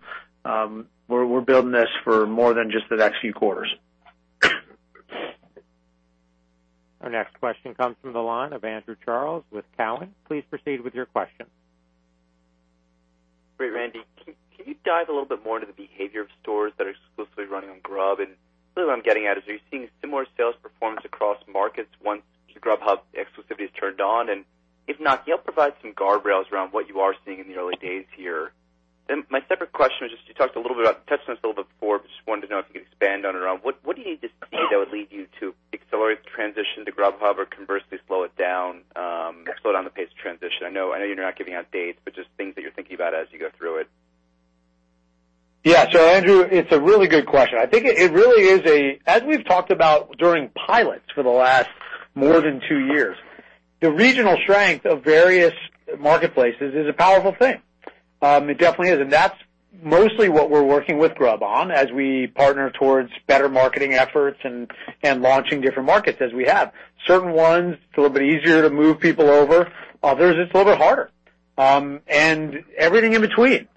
We're building this for more than just the next few quarters. Our next question comes from the line of Andrew Charles with Cowen. Please proceed with your question. Great, Randy. Can you dive a little bit more into the behavior of stores that are exclusively running on Grubhub? Clearly, what I'm getting at is, are you seeing similar sales performance across markets once the Grubhub exclusivity is turned on? If not, can you help provide some guardrails around what you are seeing in the early days here? My separate question was just, you talked a little bit about test runs a little bit before, but just wanted to know if you could expand on it at all. What do you need to see that would lead you to accelerate the transition to Grubhub or conversely slow down the pace of transition? I know you're not giving out dates, but just things that you're thinking about as you go through it. Yeah. Andrew, it's a really good question. I think it really is a, as we've talked about during pilots for the last more than two years, the regional strength of various marketplaces is a powerful thing. It definitely is. That's mostly what we're working with Grubhub on as we partner towards better marketing efforts and launching different markets as we have. Certain ones, it's a little bit easier to move people over. Others, it's a little bit harder. Everything in between.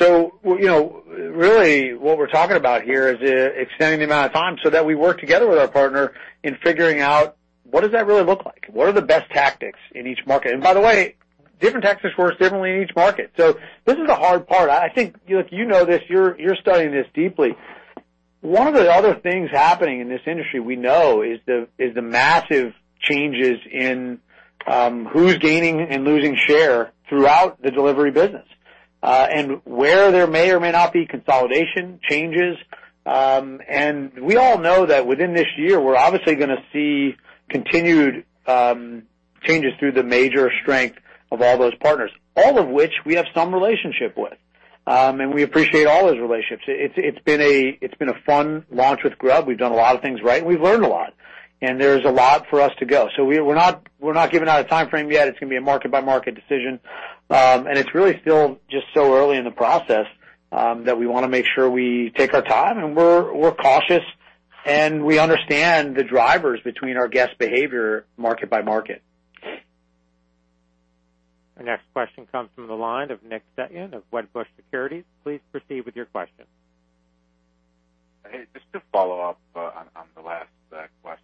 Really, what we're talking about here is extending the amount of time so that we work together with our partner in figuring out what does that really look like? What are the best tactics in each market? By the way, different tactics work differently in each market. This is the hard part. I think, look, you know this. You're studying this deeply. One of the other things happening in this industry we know is the massive changes in who's gaining and losing share throughout the delivery business, and where there may or may not be consolidation changes. We all know that within this year, we're obviously going to see continued changes through the major strength of all those partners, all of which we have some relationship with. We appreciate all those relationships. It's been a fun launch with Grubhub. We've done a lot of things right, and we've learned a lot. There's a lot for us to go. We're not giving out a timeframe yet. It's going to be a market-by-market decision. It's really still just so early in the process that we want to make sure we take our time, and we're cautious, and we understand the drivers between our guest behavior market by market. Our next question comes from the line of Nick Setyan of Wedbush Securities. Please proceed with your question. Hey, just to follow up on the last question.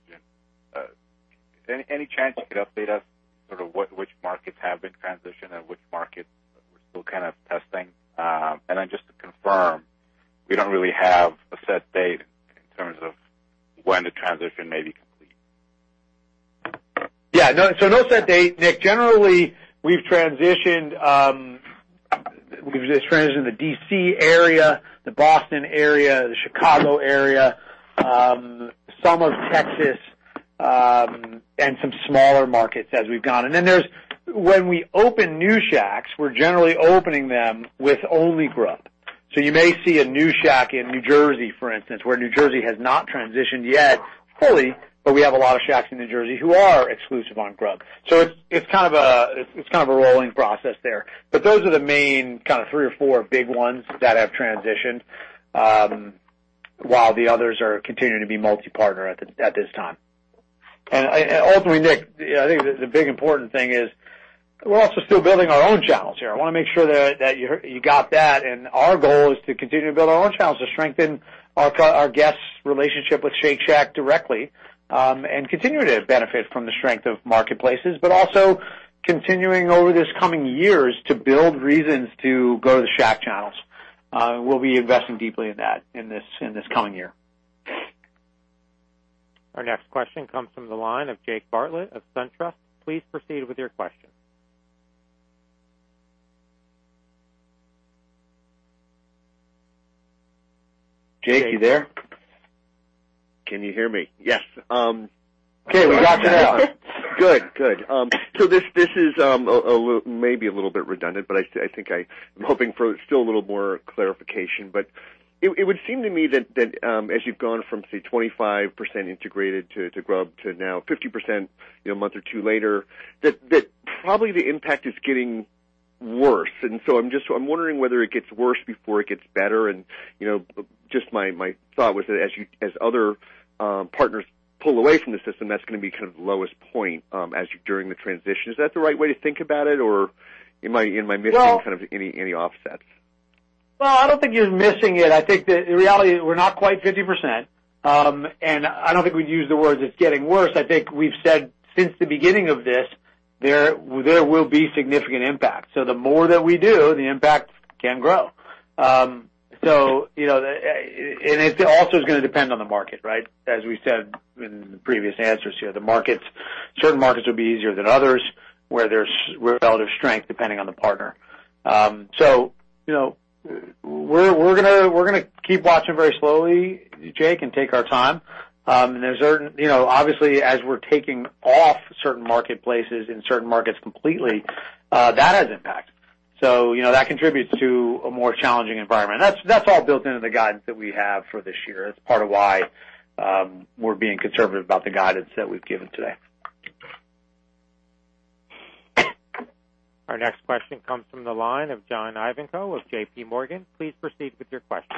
Any chance you could update us sort of which markets have been transitioned and which markets we're still kind of testing? Then just to confirm, we don't really have a set date in terms of when the transition may be complete. Yeah. No set date, Nick. Generally, we've transitioned the D.C. area, the Boston area, the Chicago area, some of Texas, and some smaller markets as we've gone. When we open new Shacks, we're generally opening them with only Grubhub. You may see a new Shack in New Jersey, for instance, where New Jersey has not transitioned yet fully, but we have a lot of Shacks in New Jersey who are exclusive on Grubhub. It's kind of a rolling process there. Those are the main kind of three or four big ones that have transitioned, while the others are continuing to be multi-partner at this time. Ultimately, Nick, I think the big important thing is we're also still building our own channels here. I want to make sure that you got that. Our goal is to continue to build our own channels to strengthen our guest's relationship with Shake Shack directly, and continue to benefit from the strength of marketplaces, but also continuing over this coming years to build reasons to go to the Shack channels. We'll be investing deeply in that in this coming year. Our next question comes from the line of Jake Bartlett of SunTrust. Please proceed with your question. Jake, you there? Can you hear me? Yes. Okay, we got you now. Good. This is maybe a little bit redundant, but I think I'm hoping for still a little more clarification. It would seem to me that as you've gone from, say, 25% integrated to Grubhub to now 50% a month or two later, that probably the impact is getting worse. I'm wondering whether it gets worse before it gets better. Just like my thought was that as other partners pull away from the system, that's going to be kind of the lowest point during the transition. Is that the right way to think about it, or am I missing kind of any offsets? Well, I don't think you're missing it. I think that in reality, we're not quite 50%. I don't think we'd use the words it's getting worse. I think we've said since the beginning of this, there will be significant impact. The more that we do, the impact can grow. It also is going to depend on the market, right? As we said in the previous answers here, certain markets will be easier than others, where there's relative strength depending on the partner. We're going to keep watching very slowly, Jake, and take our time. Obviously, as we're taking off certain marketplaces in certain markets completely, that has impact. That contributes to a more challenging environment. That's all built into the guidance that we have for this year. That's part of why we're being conservative about the guidance that we've given today. Our next question comes from the line of John Ivankoe of JPMorgan. Please proceed with your question.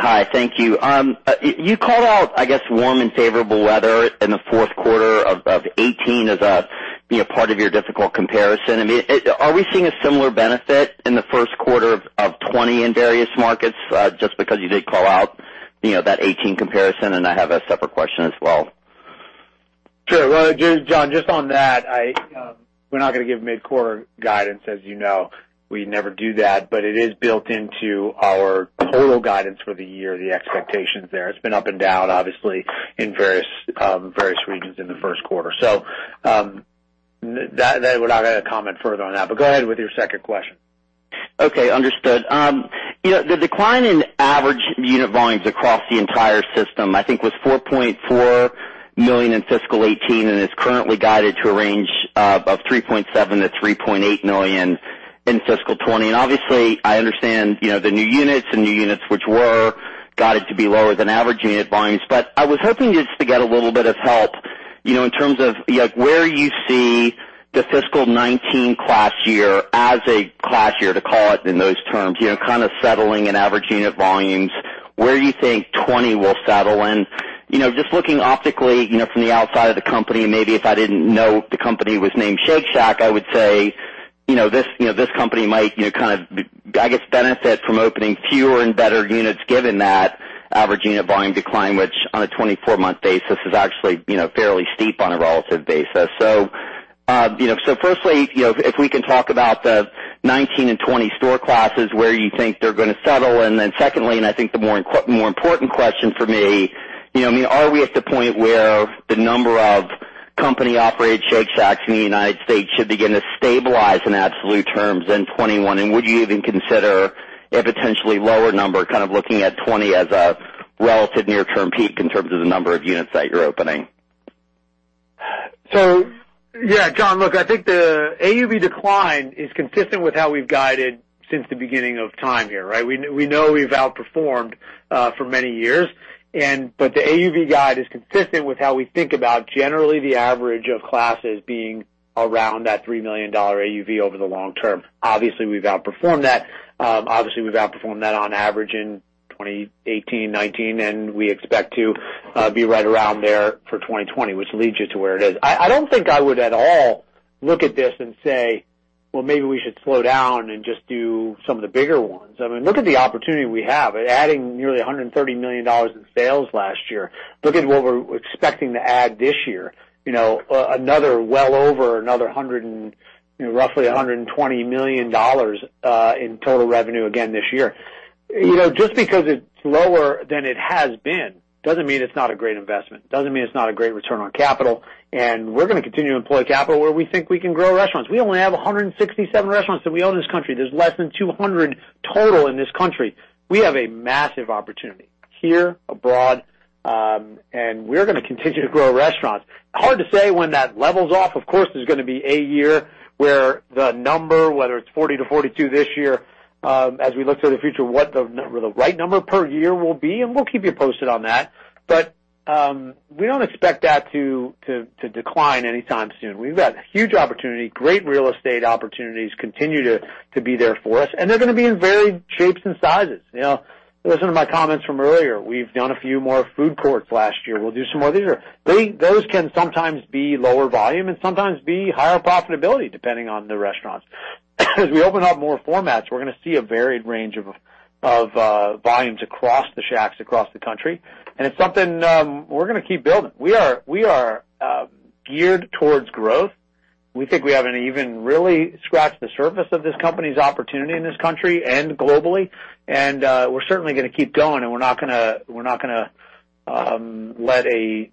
Hi. Thank you. You called out, I guess, warm and favorable weather in the fourth quarter of 2018 as a part of your difficult comparison. Are we seeing a similar benefit in the first quarter of 2020 in various markets, just because you did call out that 2018 comparison? I have a separate question as well. Sure. Well, John, just on that, we're not going to give mid-quarter guidance. As you know, we never do that, but it is built into our total guidance for the year, the expectations there. It's been up and down, obviously, in various regions in the first quarter. That I would not comment further on that. Go ahead with your second question. Okay. Understood. The decline in average unit volumes across the entire system, I think was $4.4 million in fiscal 2018, and is currently guided to a range of $3.7 million-$3.8 million in fiscal 2020. Obviously, I understand the new units which were guided to be lower than average unit volumes. I was hoping just to get a little bit of help in terms of where you see the fiscal 2019 class year as a class year, to call it in those terms, kind of settling in average unit volumes. Where do you think 2020 will settle in? Just looking optically from the outside of the company, maybe if I didn't know the company was named Shake Shack, I would say this company might kind of, I guess, benefit from opening fewer and better units given that average unit volume decline, which on a 24-month basis is actually fairly steep on a relative basis. firstly, if we can talk about the 2019 and 2020 store classes where you think they're going to settle, then secondly, I think the more important question for me, are we at the point where the number of company-operated Shake Shacks in the United States should begin to stabilize in absolute terms in 2021? Would you even consider a potentially lower number, looking at 2020 as a relative near-term peak in terms of the number of units that you're opening? Yeah, John, look, I think the AUV decline is consistent with how we've guided since the beginning of time here, right? We know we've outperformed for many years. The AUV guide is consistent with how we think about generally the average of classes being around that $3 million AUV over the long term. Obviously, we've outperformed that. Obviously, we've outperformed that on average in 2018 and 2019, and we expect to be right around there for 2020, which leads you to where it is. I don't think I would at all look at this and say, "Well, maybe we should slow down and just do some of the bigger ones." Look at the opportunity we have. Adding nearly $130 million in sales last year. Look at what we're expecting to add this year. Another well over roughly $120 million in total revenue again this year. Just because it's lower than it has been doesn't mean it's not a great investment, doesn't mean it's not a great return on capital, and we're going to continue to employ capital where we think we can grow restaurants. We only have 167 restaurants that we own in this country. There's less than 200 total in this country. We have a massive opportunity here, abroad, and we're going to continue to grow restaurants. Hard to say when that levels off. Of course, there's going to be a year where the number, whether it's 40-42 this year, as we look to the future, what the right number per year will be, and we'll keep you posted on that. We don't expect that to decline anytime soon. We've got huge opportunity. Great real estate opportunities continue to be there for us, and they're going to be in varied shapes and sizes. Listen to my comments from earlier. We've done a few more food courts last year. We'll do some more this year. Those can sometimes be lower volume and sometimes be higher profitability depending on the restaurants. As we open up more formats, we're going to see a varied range of volumes across the Shacks across the country, and it's something we're going to keep building. We are geared towards growth. We think we haven't even really scratched the surface of this company's opportunity in this country and globally. We're certainly going to keep going, and we're not going to let a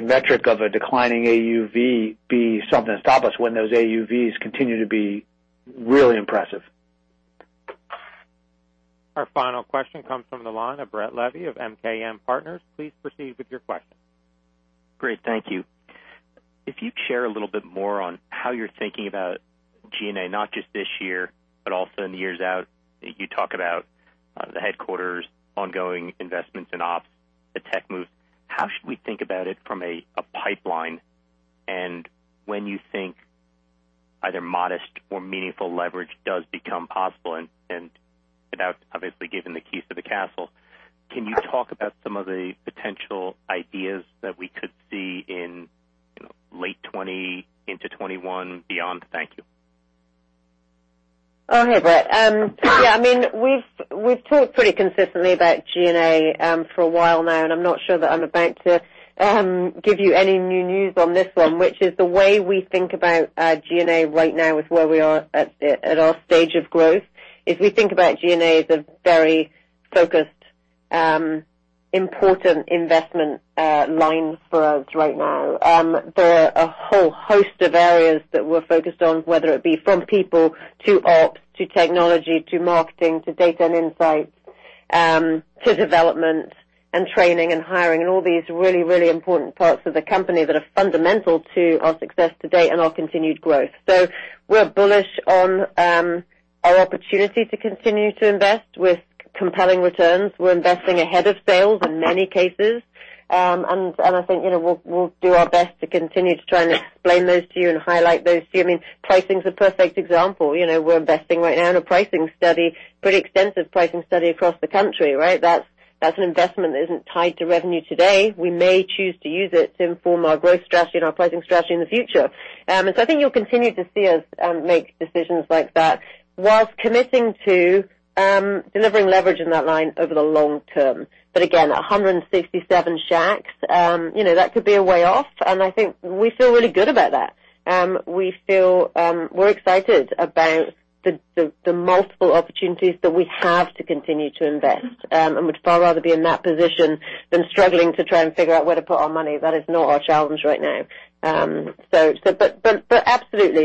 metric of a declining AUV be something to stop us when those AUVs continue to be really impressive. Our final question comes from the line of Brett Levy of MKM Partners. Please proceed with your question. Great. Thank you. If you'd share a little bit more on how you're thinking about G&A, not just this year, but also in the years out. You talk about the headquarters, ongoing investments in ops, the tech moves. How should we think about it from a pipeline? When you think either modest or meaningful leverage does become possible, and without obviously giving the keys to the castle, can you talk about some of the potential ideas that we could see in late 2020 into 2021 beyond? Thank you. Oh, hey, Brett. Yeah, we've talked pretty consistently about G&A for a while now. I'm not sure that I'm about to give you any new news on this one, which is the way we think about G&A right now with where we are at our stage of growth, is we think about G&A as a very focused important investment line for us right now. There are a whole host of areas that we're focused on, whether it be from people to ops, to technology, to marketing, to data and insights, to development and training and hiring, all these really important parts of the company that are fundamental to our success to date and our continued growth. We're bullish on our opportunity to continue to invest with compelling returns. We're investing ahead of sales in many cases. I think we'll do our best to continue to try and explain those to you and highlight those to you. Pricing is a perfect example. We're investing right now in a pricing study, pretty extensive pricing study across the country, right? That's an investment that isn't tied to revenue today. We may choose to use it to inform our growth strategy and our pricing strategy in the future. I think you'll continue to see us make decisions like that whilst committing to delivering leverage in that line over the long term. Again, 167 Shacks, that could be a way off, and I think we feel really good about that. We're excited about the multiple opportunities that we have to continue to invest, and we'd far rather be in that position than struggling to try and figure out where to put our money. That is not our challenge right now. Absolutely,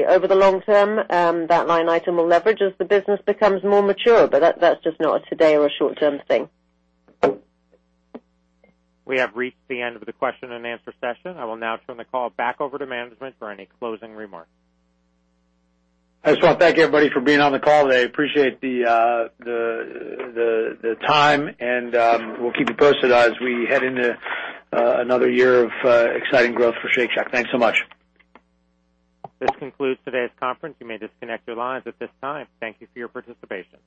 over the long term, that line item will leverage as the business becomes more mature, but that's just not a today or a short-term thing. We have reached the end of the question-and-answer session. I will now turn the call back over to management for any closing remarks. I just want to thank everybody for being on the call today. Appreciate the time, and we'll keep you posted as we head into another year of exciting growth for Shake Shack. Thanks so much. This concludes today's conference. You may disconnect your lines at this time. Thank you for your participation.